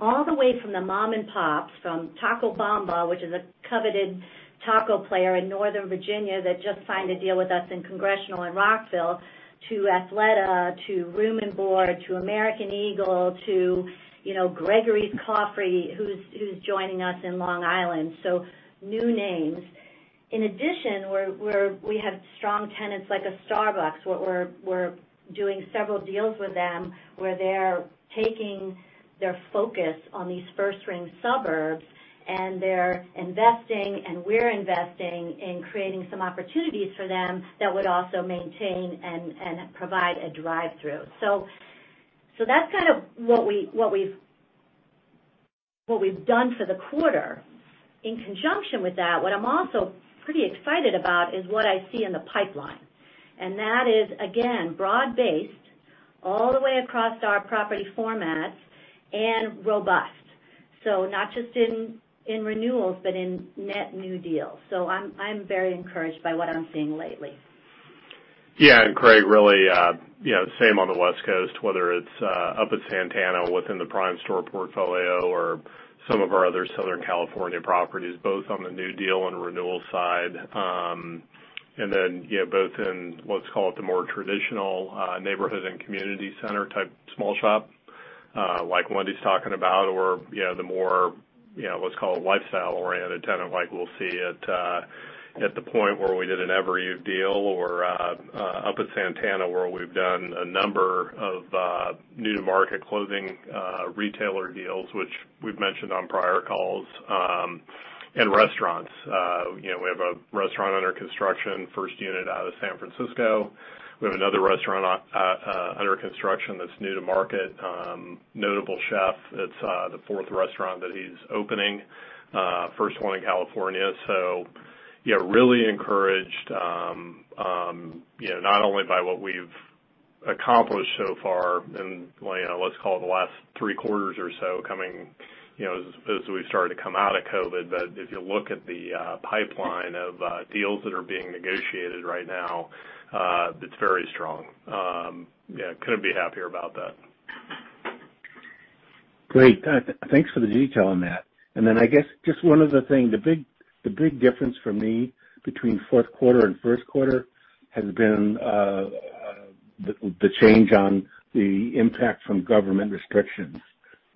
Speaker 13: All the way from the mom-and-pops, from Taco Bamba, which is a coveted taco player in Northern Virginia that just signed a deal with us in Congressional, in Rockville, to Athleta, to Room & Board, to American Eagle, to Gregorys Coffee, who's joining us in Long Island. New names. In addition, we have strong tenants like a Starbucks. We're doing several deals with them where they're taking their focus on these first-ring suburbs, and they're investing, and we're investing in creating some opportunities for them that would also maintain and provide a drive-through. That's kind of what we've done for the quarter. In conjunction with that, what I'm also pretty excited about is what I see in the pipeline. That is, again, broad-based, all the way across our property formats, and robust. Not just in renewals but in net new deals. I'm very encouraged by what I'm seeing lately.
Speaker 14: Yeah. Craig, really, same on the West Coast, whether it's up at Santana within the Primestor portfolio or some of our other Southern California properties, both on the new deal and renewal side. Both in, let's call it, the more traditional neighborhood and community center type small shop, like Wendy's talking about, or the more, let's call it, lifestyle-oriented tenant like we'll see at The Point where we did an Evereve deal, or up at Santana where we've done a number of new-to-market clothing retailer deals, which we've mentioned on prior calls, and restaurants. We have a restaurant under construction, first unit out of San Francisco. We have another restaurant under construction that's new to market. Notable chef. It's the fourth restaurant that he's opening, first one in California. Yeah, really encouraged, not only by what we've accomplished so far in, let's call it, the last three quarters or so coming as we've started to come out of COVID. If you look at the pipeline of deals that are being negotiated right now, it's very strong. Couldn't be happier about that.
Speaker 12: Great. Thanks for the detail on that. I guess just one other thing, the big difference for me between fourth quarter and first quarter has been the change on the impact from government restrictions.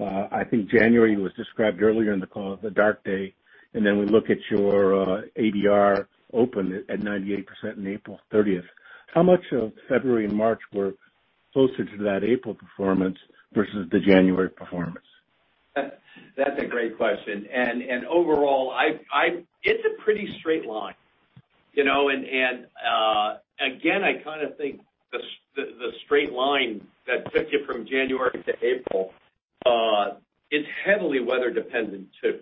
Speaker 12: I think January was described earlier in the call as a dark day, then we look at your ABR open at 98% in April 30th. How much of February and March were closer to that April performance versus the January performance?
Speaker 3: That's a great question. Overall, it's a pretty straight line. Again, I kind of think the straight line that took you from January to April, it's heavily weather dependent too.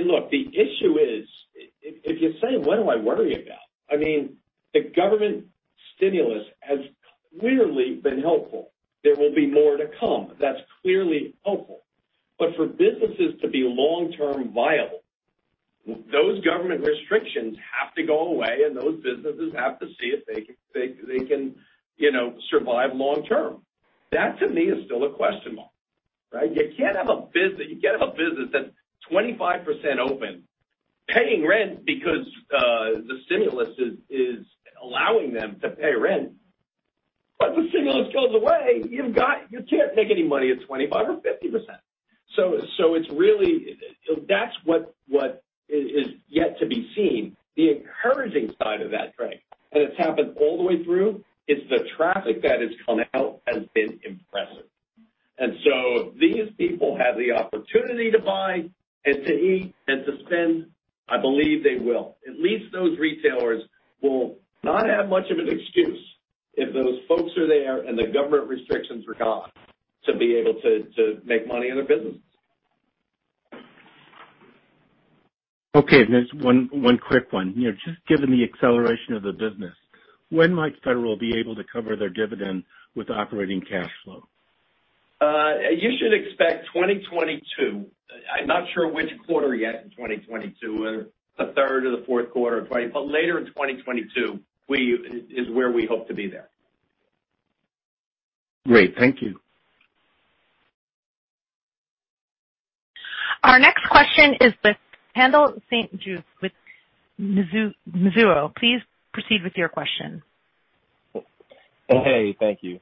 Speaker 3: Look, the issue is, if you say, what do I worry about? The government stimulus has clearly been helpful. There will be more to come. That's clearly helpful. For businesses to be long-term viable, those government restrictions have to go away, and those businesses have to see if they can survive long term. That, to me, is still a question mark, right? You can't have a business that's 25% open paying rent because the stimulus is allowing them to pay rent. Once the stimulus goes away, you can't make any money at 25% or 50%. That's what is yet to be seen. The encouraging side of that, Craig, it's happened all the way through, is the traffic that has come out has been impressive. If these people have the opportunity to buy and to eat and to spend, I believe they will. At least those retailers will not have much of an excuse if those folks are there and the government restrictions are gone to be able to make money in their businesses.
Speaker 12: Okay. There's one quick one. Just given the acceleration of the business, when might Federal be able to cover their dividend with operating cash flow?
Speaker 3: You should expect 2022. I'm not sure which quarter yet in 2022, whether the third or the fourth quarter, but later in 2022 is where we hope to be there.
Speaker 12: Great. Thank you.
Speaker 1: Our next question is with Haendel St. Juste with Mizuho. Please proceed with your question.
Speaker 15: Hey. Thank you.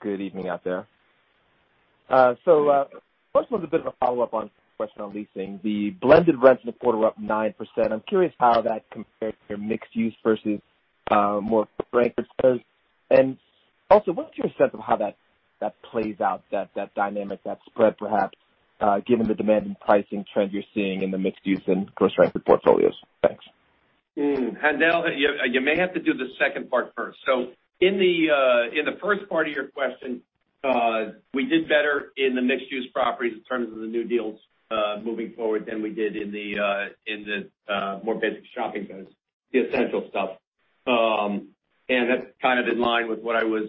Speaker 15: Good evening out there. First one's a bit of a follow-up on question on leasing. The blended rents in the quarter up 9%. I'm curious how that compared your mixed use versus more food-anchored stores. Also, what's your sense of how that plays out, that dynamic, that spread perhaps given the demand and pricing trend you're seeing in the mixed use and grocery-anchored portfolios? Thanks.
Speaker 3: Haendel, you may have to do the second part first. In the first part of your question, we did better in the mixed-use properties in terms of the new deals moving forward than we did in the more basic shopping centers, the essential stuff. That's kind of in line with what I was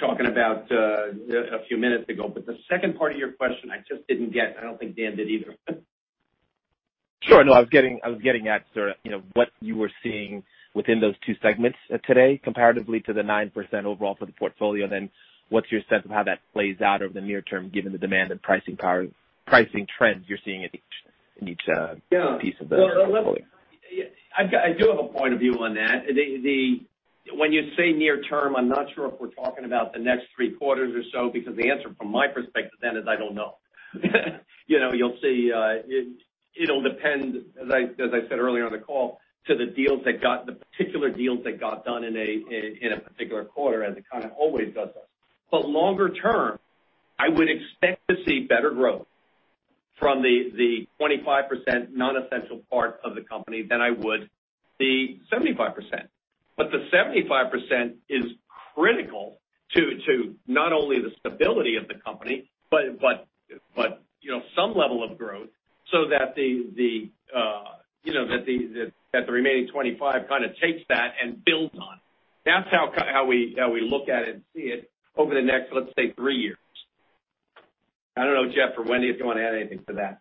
Speaker 3: talking about a few minutes ago. The second part of your question, I just didn't get. I don't think Daniel did either.
Speaker 15: Sure. No, I was getting at sort of what you were seeing within those two segments today comparatively to the 9% overall for the portfolio. What's your sense of how that plays out over the near term, given the demand and pricing trends you're seeing in each piece of the portfolio?
Speaker 3: Yeah. Well, listen, I do have a point of view on that. When you say near term, I'm not sure if we're talking about the next three quarters or so, because the answer from my perspective then is I don't know. It'll depend, as I said earlier on the call, to the particular deals that got done in a particular quarter, as it kind of always does. Longer term, I would expect to see better growth from the 25% non-essential part of the company than I would the 75%. The 75% is critical to not only the stability of the company but some level of growth, so that the remaining 25 kind of takes that and builds on it. That's how we look at it and see it over the next, let's say, three years. I don't know, Jeff or Wendy, if you want to add anything to that.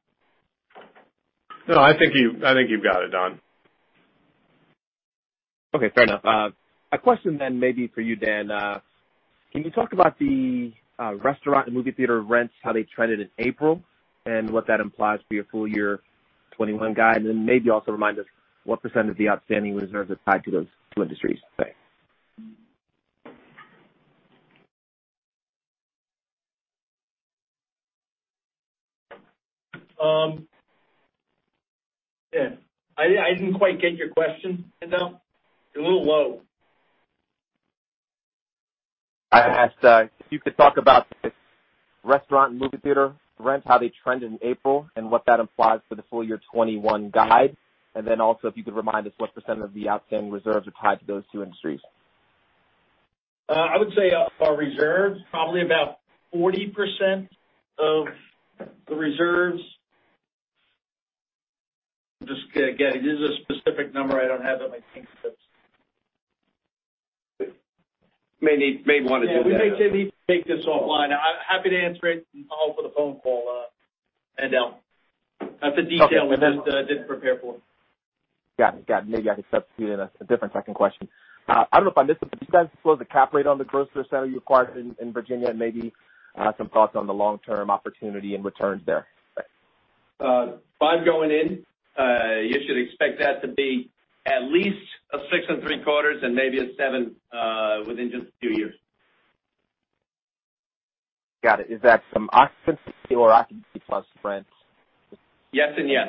Speaker 14: No, I think you've got it, Don.
Speaker 15: Okay, fair enough. A question then maybe for you, Dan. Can you talk about the restaurant and movie theater rents, how they trended in April, and what that implies for your full year 2021 guide? Maybe also remind us what percentage of the outstanding reserves is tied to those two industries? Thanks.
Speaker 4: Yeah. I didn't quite get your question, Haendel St. Juste. It's a little low.
Speaker 15: I asked if you could talk about the restaurant and movie theater rents, how they trend in April, and what that implies for the full year 2021 guide. Also, if you could remind us what percentage of the outstanding reserves are tied to those two industries.
Speaker 4: I would say our reserves, probably about 40% of the reserves. Just getting a specific number, I don't have it.
Speaker 15: May want to do that.
Speaker 4: We may need to take this offline. I'm happy to answer it. I'll open a phone call, Haendel St. Juste. That's a detail we didn't prepare for.
Speaker 15: Got it. Maybe I could substitute in a different second question. I don't know if I missed it, can you guys disclose the cap rate on the grocery center you acquired in Virginia, and maybe some thoughts on the long-term opportunity and returns there? Thanks.
Speaker 3: Five going in. You should expect that to be at least a six and three quarters and maybe a seven within just a few years.
Speaker 15: Got it. Is that from occupancy or occupancy plus rents?
Speaker 3: Yes and yes.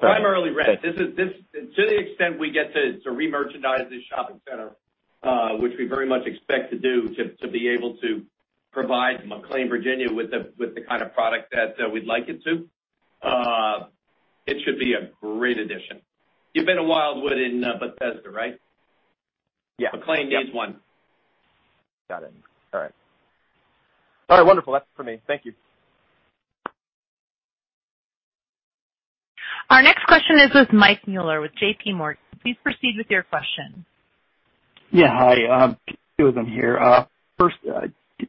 Speaker 3: Primarily rent. To the extent we get to re-merchandise this shopping center, which we very much expect to do to be able to provide McLean, Virginia with the kind of product that we'd like it to, it should be a great addition. You've been to Wildwood in Bethesda, right?
Speaker 15: Yeah.
Speaker 3: McLean needs one.
Speaker 15: Got it. All right. All right. Wonderful. That's it for me. Thank you.
Speaker 1: Our next question is with Mike Mueller with JPMorgan. Please proceed with your question.
Speaker 16: Yeah. Hi, two of them here. First,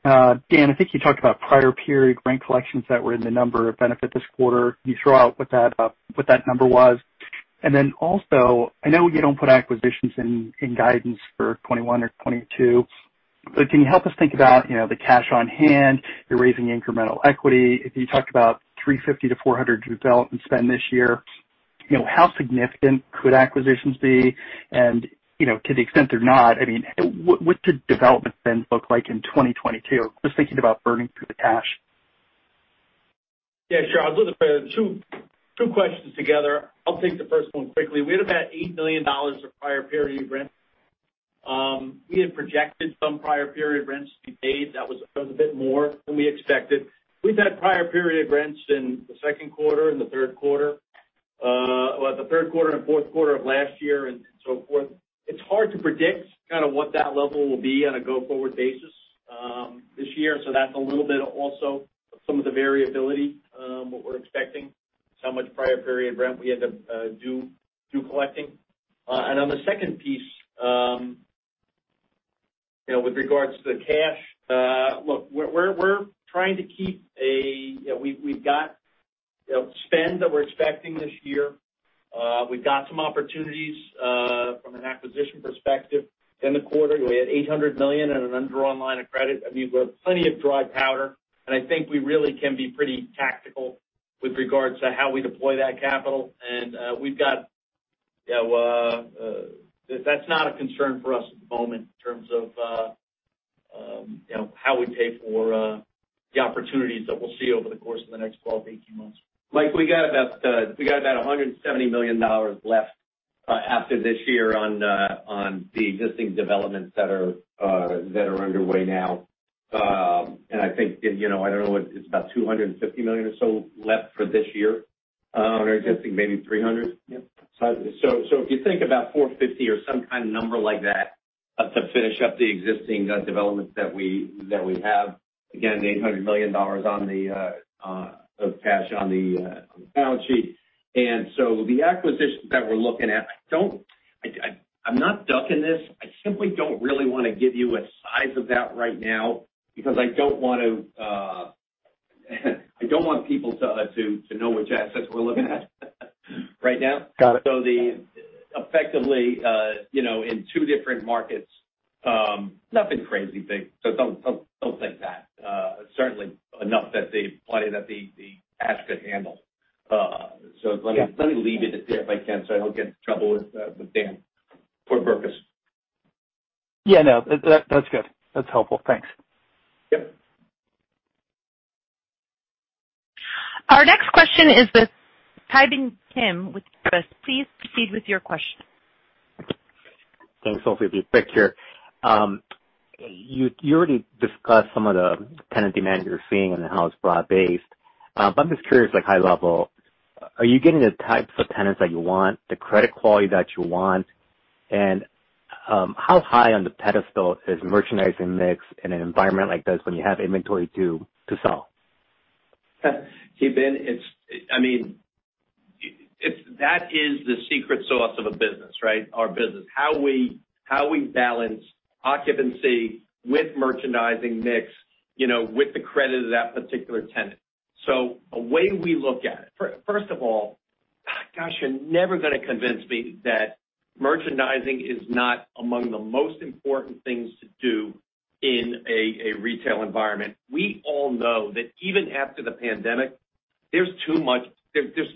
Speaker 16: Dan, I think you talked about prior period rent collections that were in the number of benefit this quarter. Can you throw out what that number was? Then also, I know you don't put acquisitions in guidance for 2021 or 2022, but can you help us think about the cash on hand, you're raising incremental equity. You talked about $350-$400 development spend this year. How significant could acquisitions be? To the extent they're not, what could development spend look like in 2022? Just thinking about burning through the cash.
Speaker 4: Yeah, sure. I'll do the two questions together. I'll take the first one quickly. We had about $8 million of prior period rent. We had projected some prior period rents to be paid. That was a bit more than we expected. We've had prior period rents in the second quarter and the third quarter. Well, the third quarter and fourth quarter of last year and so forth. It's hard to predict kind of what that level will be on a go-forward basis this year. That's a little bit also of some of the variability what we're expecting, how much prior period rent we had to do through collecting. On the second piece, with regards to the cash, look, we've got spend that we're expecting this year. We've got some opportunities from an acquisition perspective in the quarter. We had $800 million in an undrawn line of credit. I mean, we've got plenty of dry powder, and I think we really can be pretty tactical with regards to how we deploy that capital. That's not a concern for us at the moment in terms of how we pay for the opportunities that we'll see over the course of the next 12-18 months.
Speaker 3: Mike, we got about $170 million left after this year on the existing developments that are underway now. I think, I don't know, it's about $250 million or so left for this year on our existing, maybe $300.
Speaker 16: Yeah.
Speaker 3: If you think about $450 or some kind of number like that to finish up the existing developments that we have. Again, the $800 million of cash on the balance sheet. The acquisitions that we're looking at don't buck in this. I simply don't really want to give you a size of that right now, because I don't want people to know which assets we're looking at right now.
Speaker 16: Got it.
Speaker 3: Effectively, in two different markets, nothing crazy big. Don't think that. Certainly enough that the asset handles. Let me leave it at that if I can, so I don't get in trouble with Dan or Berkes.
Speaker 16: Yeah, no. That's good. That's helpful. Thanks.
Speaker 3: Yep.
Speaker 1: Our next question is with Ki Bin Kim with [Truist]. Please proceed with your question.
Speaker 17: Thanks. It'll be quick here. You already discussed some of the tenant demand you're seeing and how it's broad-based. I'm just curious, high-level, are you getting the types of tenants that you want, the credit quality that you want? How high on the pedestal is merchandising mix in an environment like this when you have inventory to sell?
Speaker 3: Ki Bin, that is the secret sauce of a business, right? Our business. How we balance occupancy with merchandising mix, with the credit of that particular tenant. The way we look at it, first of all, gosh, you're never going to convince me that merchandising is not among the most important things to do in a retail environment. We all know that even after the pandemic, there's too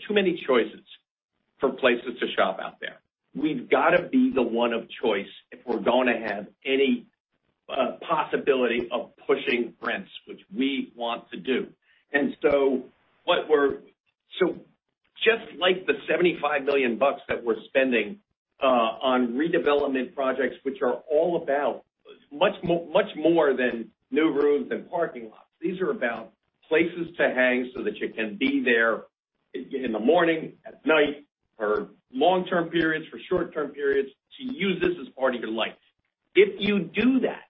Speaker 3: many choices for places to shop out there. We've got to be the one of choice if we're going to have any possibility of pushing rents, which we want to do. Just like the $75 million that we're spending on redevelopment projects, which are all about much more than new rooms and parking lots. These are about places to hang so that you can be there in the morning, at night, for long-term periods, for short-term periods, to use this as part of your life. If you do that,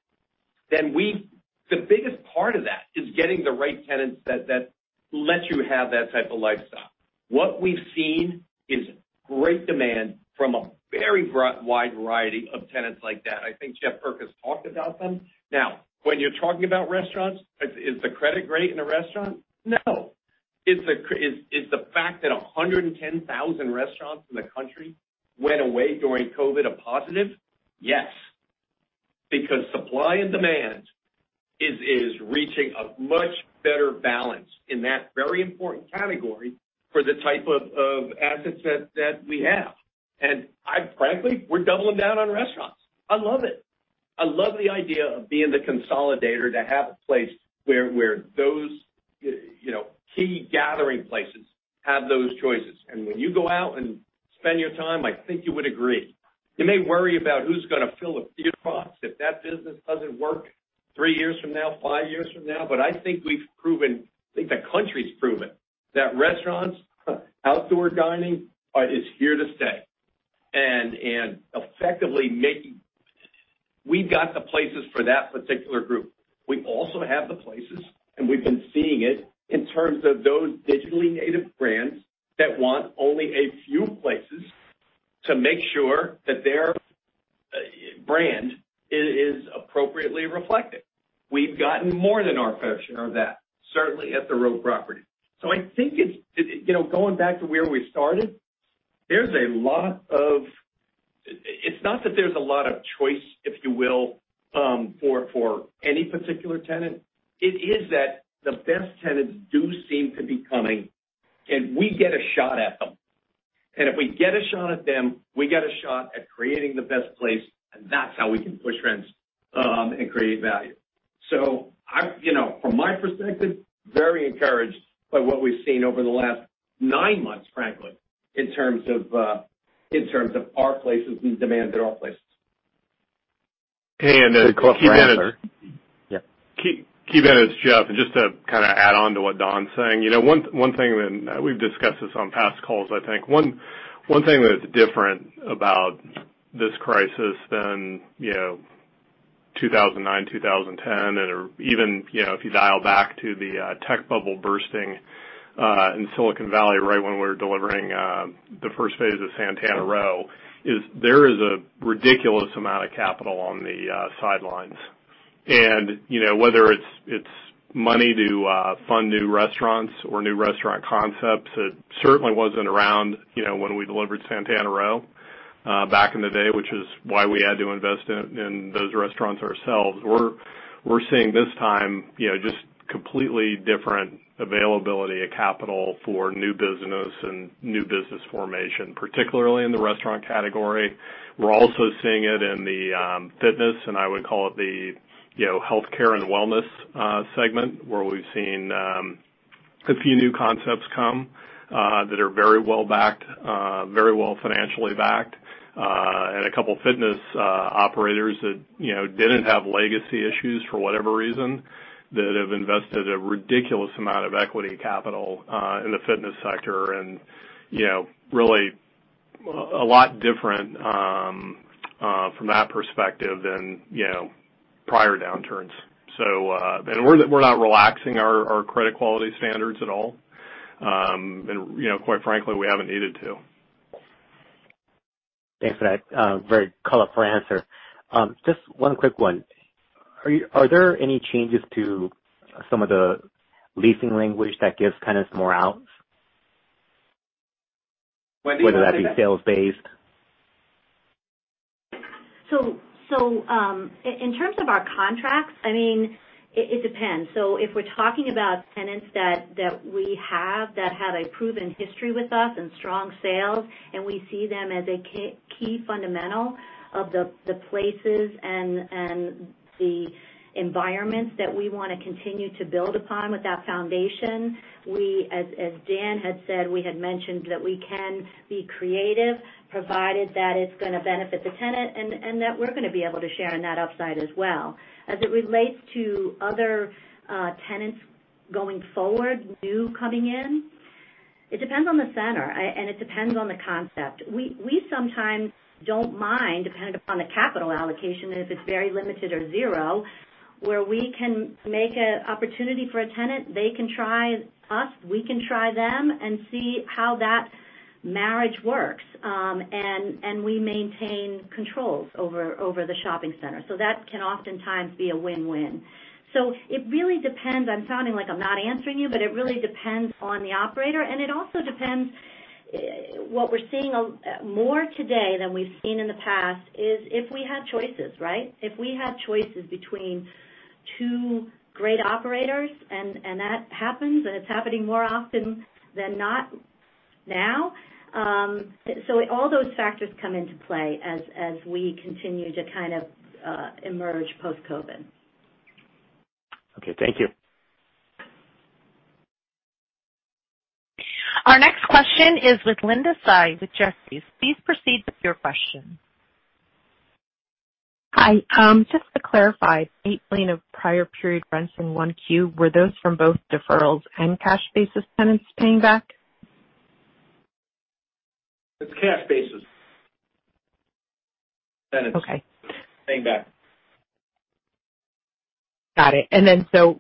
Speaker 3: the biggest part of that is getting the right tenants that let you have that type of lifestyle. What we've seen is great demand from a very broad, wide variety of tenants like that. I think Jeff Berkes talked about them. Now, when you're talking about restaurants, is the credit great in a restaurant? No. Is the fact that 110,000 restaurants in the country went away during COVID a positive? Yes, because supply and demand is reaching a much better balance in that very important category for the type of assets that we have. Frankly, we're doubling down on restaurants. I love it. I love the idea of being the consolidator to have a place where those key gathering places have those choices. When you go out and spend your time, I think you would agree. You may worry about who's going to fill a theater box if that business doesn't work three years from now, five years from now. I think we've proven, I think the country's proven, that restaurants, outdoor dining, is here to stay. We've got the places for that particular group. We also have the places, and we've been seeing it in terms of those digitally native brands that want only a few places to make sure that their brand is appropriately reflected. We've gotten more than our fair share of that, certainly at The Row property. I think going back to where we started, it's not that there's a lot of choice, if you will, for any particular tenant. It is that the best tenants do seem to be coming, and we get a shot at them. If we get a shot at them, we get a shot at creating the best place, and that's how we can push rents and create value. From my perspective, very encouraged by what we've seen over the last nine months, frankly, in terms of our places and demand at our places.
Speaker 14: Hey, Great call for answer. Ki Bin, it's Jeff. Just to kind of add on to what Don's saying. One thing, we've discussed this on past calls, I think. One thing that's different about this crisis than 2009, 2010, or even if you dial back to the tech bubble bursting in Silicon Valley right when we were delivering the first phase of Santana Row, is there is a ridiculous amount of capital on the sidelines. Whether it's money to fund new restaurants or new restaurant concepts, it certainly wasn't around when we delivered Santana Row back in the day, which is why we had to invest in those restaurants ourselves. We're seeing this time, just completely different availability of capital for new business and new business formation, particularly in the restaurant category. We're also seeing it in the fitness, and I would call it the healthcare and wellness segment, where we've seen a few new concepts come that are very well-backed, very well financially backed. A couple fitness operators that didn't have legacy issues for whatever reason, that have invested a ridiculous amount of equity capital in the fitness sector. Really a lot different from that perspective than prior downturns. We're not relaxing our credit quality standards at all. Quite frankly, we haven't needed to.
Speaker 17: Thanks for that very colorful answer. Just one quick one. Are there any changes to some of the leasing language that gives kind of some more outs?
Speaker 14: Wendy, do you want to take that?
Speaker 17: Whether that be sales based.
Speaker 13: In terms of our contracts, it depends. If we're talking about tenants that we have that have a proven history with us and strong sales, and we see them as a key fundamental of the places and the environments that we want to continue to build upon with that foundation, we, as Dan had said, we had mentioned that we can be creative, provided that it's going to benefit the tenant, and that we're going to be able to share in that upside as well. As it relates to other tenants going forward, new coming in, it depends on the center, and it depends on the concept. We sometimes don't mind, depending upon the capital allocation, and if it's very limited or zero, where we can make an opportunity for a tenant. They can try us, we can try them, and see how that marriage works. We maintain controls over the shopping center. That can oftentimes be a win-win. It really depends. I'm sounding like I'm not answering you, but it really depends on the operator, and it also depends. What we're seeing more today than we've seen in the past is if we have choices, right? If we have choices between two great operators, and that happens, and it's happening more often than not now. All those factors come into play as we continue to kind of emerge post-COVID.
Speaker 17: Okay. Thank you.
Speaker 1: Our next question is with Linda Tsai with Jefferies. Please proceed with your question.
Speaker 18: Hi. Just to clarify, $8 million of prior period rents in 1Q, were those from both deferrals and cash basis tenants paying back?
Speaker 4: It's cash basis.
Speaker 18: Okay.
Speaker 4: Tenants paying back.
Speaker 18: Got it.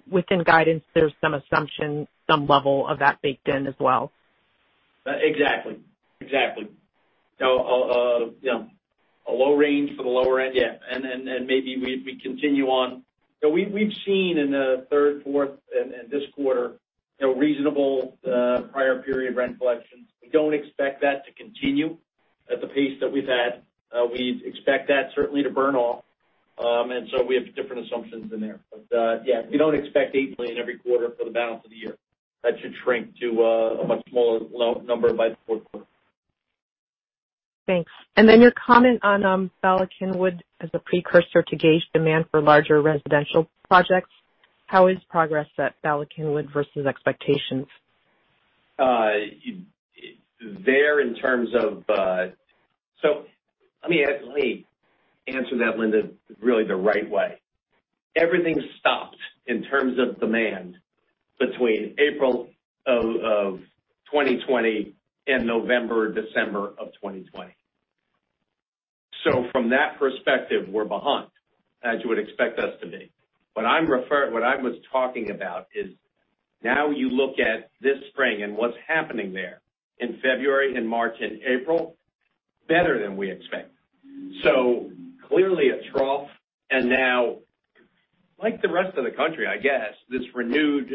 Speaker 18: Within guidance, there's some assumption, some level of that baked in as well.
Speaker 4: Exactly. A low range for the lower end, yeah. Maybe we continue on. We've seen in the third, fourth, and this quarter, reasonable prior period rent collections. We don't expect that to continue at the pace that we've had. We expect that certainly to burn off. We have different assumptions in there. Yeah, we don't expect $8 million every quarter for the balance of the year. That should shrink to a much smaller number by the fourth quarter.
Speaker 18: Thanks. Your comment on Bala Cynwyd as a precursor to gauge demand for larger residential projects. How is progress at Bala Cynwyd versus expectations?
Speaker 3: Let me answer that, Linda, really the right way. Everything stopped in terms of demand between April of 2020 and November, December of 2020. From that perspective, we're behind, as you would expect us to be. What I was talking about is now you look at this spring and what's happening there in February and March and April, better than we expected. Clearly a trough, and now, like the rest of the country, I guess, this renewed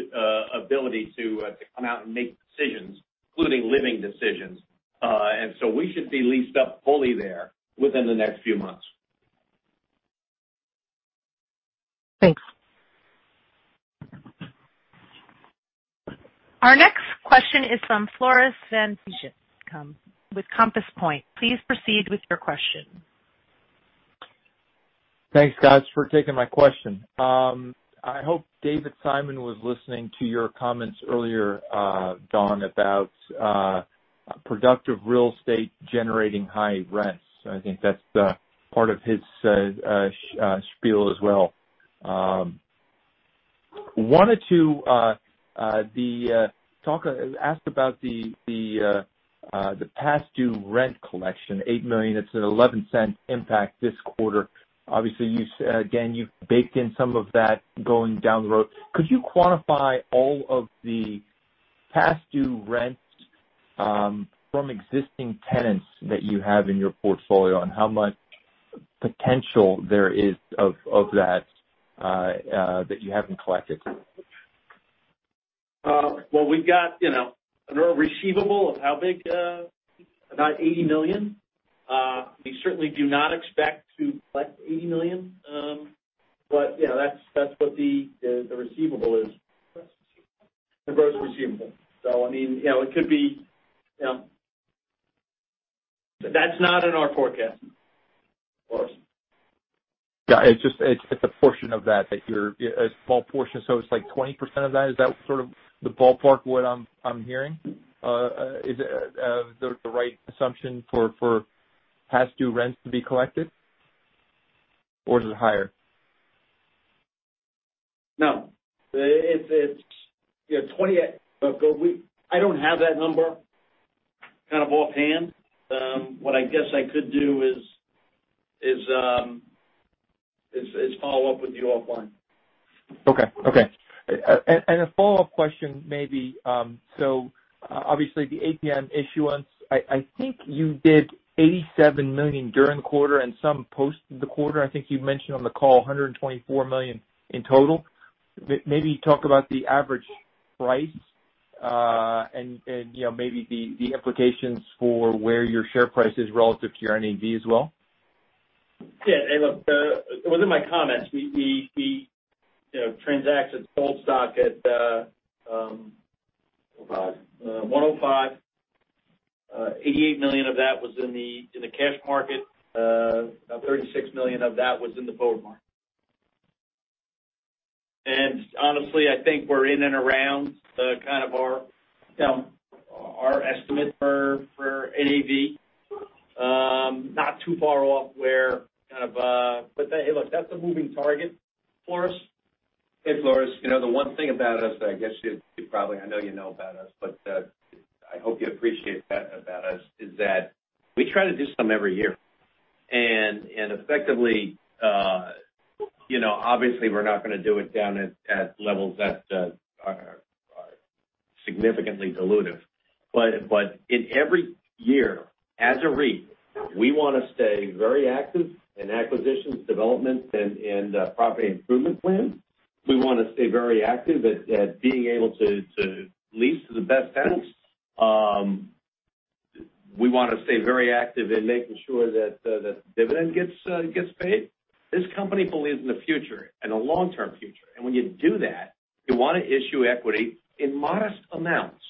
Speaker 3: ability to come out and make decisions, including living decisions. We should be leased up fully there within the next few months.
Speaker 18: Thanks.
Speaker 1: Our next question is from Floris van Dijkum with Compass Point. Please proceed with your question.
Speaker 19: Thanks, guys, for taking my question. I hope David Simon was listening to your comments earlier, Don, about productive real estate generating high rents. I think that's part of his spiel as well. Wanted to ask about the past due rent collection, $8 million. It's a $0.11 impact this quarter. Obviously, again, you've baked in some of that going down the road. Could you quantify all of the past due rent from existing tenants that you have in your portfolio, and how much potential there is of that that you haven't collected?
Speaker 4: Well, we've got a receivable of how big? About $80 million. We certainly do not expect to collect $80 million. Yeah, that's what the receivable is. The gross receivable. That's not in our forecast, of course.
Speaker 19: Yeah, it's a portion of that. A small portion, so it's like 20% of that. Is that sort of the ballpark what I'm hearing? Is that the right assumption for past due rents to be collected, or is it higher?
Speaker 4: No. I don't have that number kind of offhand. What I guess I could do is follow up with you offline.
Speaker 19: Okay. A follow-up question maybe. Obviously the ATM issuance, I think you did $87 million during the quarter and some post the quarter. I think you mentioned on the call $124 million in total. Maybe talk about the average price, and maybe the implications for where your share price is relative to your NAV as well.
Speaker 4: Yeah. Hey, look, within my comments, we transact sold stock.
Speaker 3: $105
Speaker 4: $105. $88 million of that was in the cash market. $36 million of that was in the forward market. Honestly, I think we're in and around kind of our estimate for NAV. Hey, look, that's a moving target for us.
Speaker 3: Floris, the one thing about us that I guess I know you know about us, but I hope you appreciate that about us, is that we try to do some every year. Effectively, obviously, we're not going to do it down at levels that are significantly dilutive. In every year, as a REIT, we want to stay very active in acquisitions, developments, and property improvement plans. We want to stay very active at being able to lease to the best tenants. We want to stay very active in making sure that the dividend gets paid. This company believes in the future and a long-term future. When you do that, you want to issue equity in modest amounts,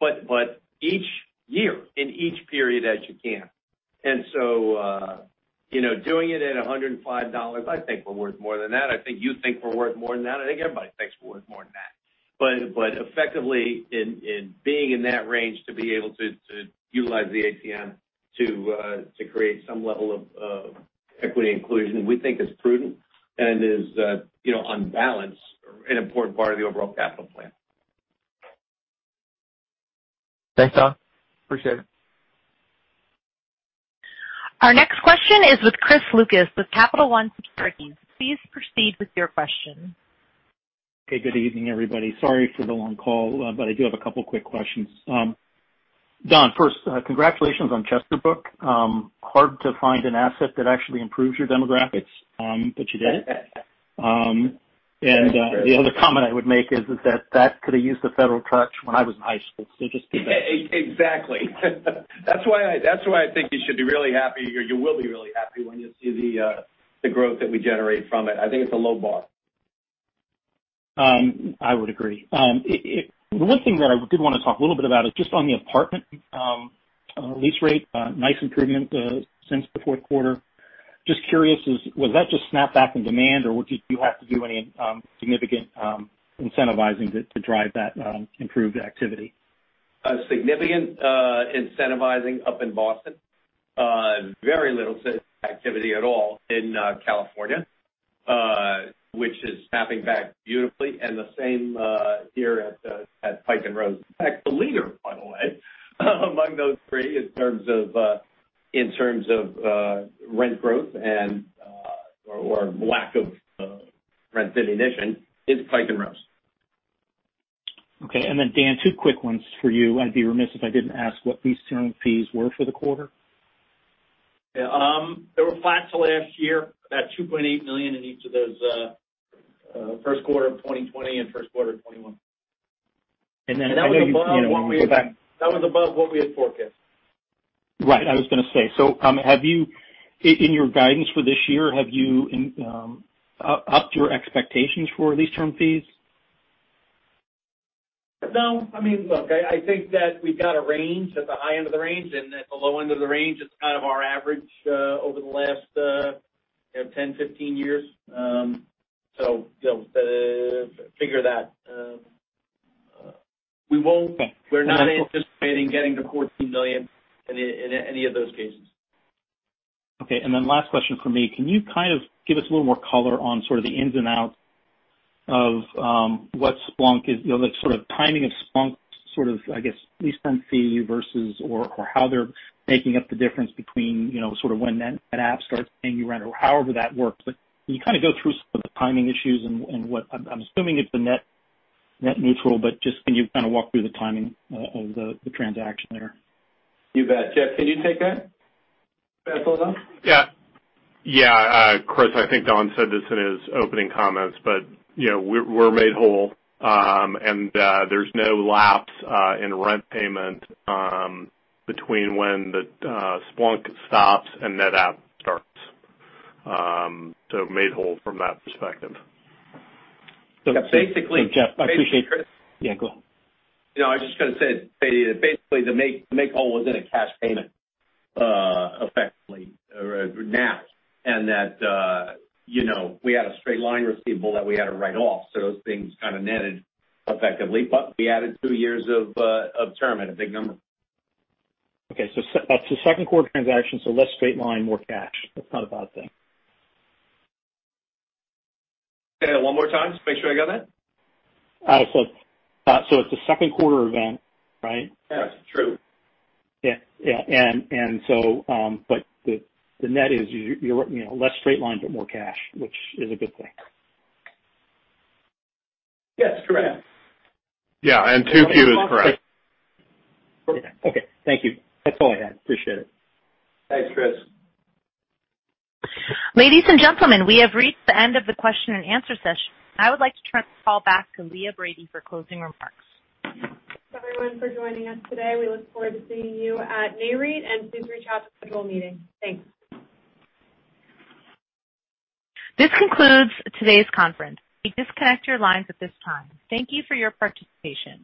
Speaker 3: but each year in each period as you can. Doing it at $105, I think we're worth more than that. I think you think we're worth more than that. I think everybody thinks we're worth more than that. Effectively, in being in that range to be able to utilize the ATM to create some level of equity inclusion, we think is prudent and is, on balance, an important part of the overall capital plan.
Speaker 19: Thanks, Don.
Speaker 3: Appreciate it.
Speaker 1: Our next question is with Chris Lucas with Capital One Securities. Please proceed with your question.
Speaker 20: Okay, good evening, everybody. Sorry for the long call, but I do have a couple of quick questions. Don, first, congratulations on Chesterbrook. Hard to find an asset that actually improves your demographics, but you did it.
Speaker 3: Thanks, Chris.
Speaker 20: The other comment I would make is that that could've used a Federal [touch] when I was in high school, just think about it.
Speaker 3: Exactly. That's why I think you should be really happy, or you will be really happy when you see the growth that we generate from it. I think it's a low bar.
Speaker 20: I would agree. One thing that I did want to talk a little bit about is just on the apartment lease rate. Nice improvement since the fourth quarter. Just curious, was that just snap back in demand, or did you have to do any significant incentivizing to drive that improved activity?
Speaker 3: A significant incentivizing up in Boston. Very little activity at all in California, which is snapping back beautifully, and the same here at Pike & Rose. In fact, the leader, by the way, among those three in terms of rent growth and, or lack of rent diminution is Pike & Rose.
Speaker 20: Okay. Don, two quick ones for you. I'd be remiss if I didn't ask what lease term fees were for the quarter.
Speaker 3: Yeah. They were flat to last year, about $2.8 million in each of those first quarter of 2020 and first quarter of 2021.
Speaker 20: And then I know you-
Speaker 3: That was above what we had-
Speaker 20: Go back.
Speaker 3: That was above what we had forecast.
Speaker 20: Right. I was going to say. In your guidance for this year, have you upped your expectations for lease term fees?
Speaker 3: No. Look, I think that we've got a range. At the high end of the range and at the low end of the range, it's kind of our average over the last 10, 15 years. Figure that.
Speaker 20: Okay.
Speaker 3: We're not anticipating getting to $14 million in any of those cases.
Speaker 20: Okay. Last question from me. Can you kind of give us a little more color on sort of the ins and outs of what Splunk is, the sort of timing of Splunk's sort of, I guess, lease term fee versus, or how they're making up the difference between sort of when NetApp starts paying you rent or however that works. Can you kind of go through some of the timing issues and what I'm assuming it's a net neutral, but just can you kind of walk through the timing of the transaction there?
Speaker 3: You bet. Jeff, can you take that?
Speaker 14: Yeah. Chris, I think Don said this in his opening comments, but we're made whole, and there's no lapse in rent payment between when the Splunk stops and NetApp starts. Made whole from that perspective.
Speaker 20: Jeff, I appreciate-
Speaker 3: Basically, Chris-
Speaker 20: Yeah, go ahead.
Speaker 3: I was just going to say, basically, the make whole was in a cash payment, effectively, or now. That we had a straight line receivable that we had to write off. Those things kind of netted effectively. We added two years of term at a big number.
Speaker 20: Okay. That's a second-quarter transaction, so less straight line, more cash. That's not a bad thing.
Speaker 3: Say that one more time, just make sure I got that.
Speaker 20: It's a second quarter event, right?
Speaker 3: Yes. True.
Speaker 20: Yeah. The net is less straight line, but more cash, which is a good thing.
Speaker 3: Yes, correct.
Speaker 14: Yeah. 2Q is correct.
Speaker 20: Okay. Thank you. That's all I had. Appreciate it.
Speaker 3: Thanks, Chris.
Speaker 1: Ladies and gentlemen, we have reached the end of the question-and-answer session. I would like to turn the call back to Leah Brady for closing remarks.
Speaker 2: Thanks, everyone, for joining us today. We look forward to seeing you at Nareit, and please reach out to schedule a meeting. Thanks.
Speaker 1: This concludes today's conference. You may disconnect your lines at this time. Thank you for your participation.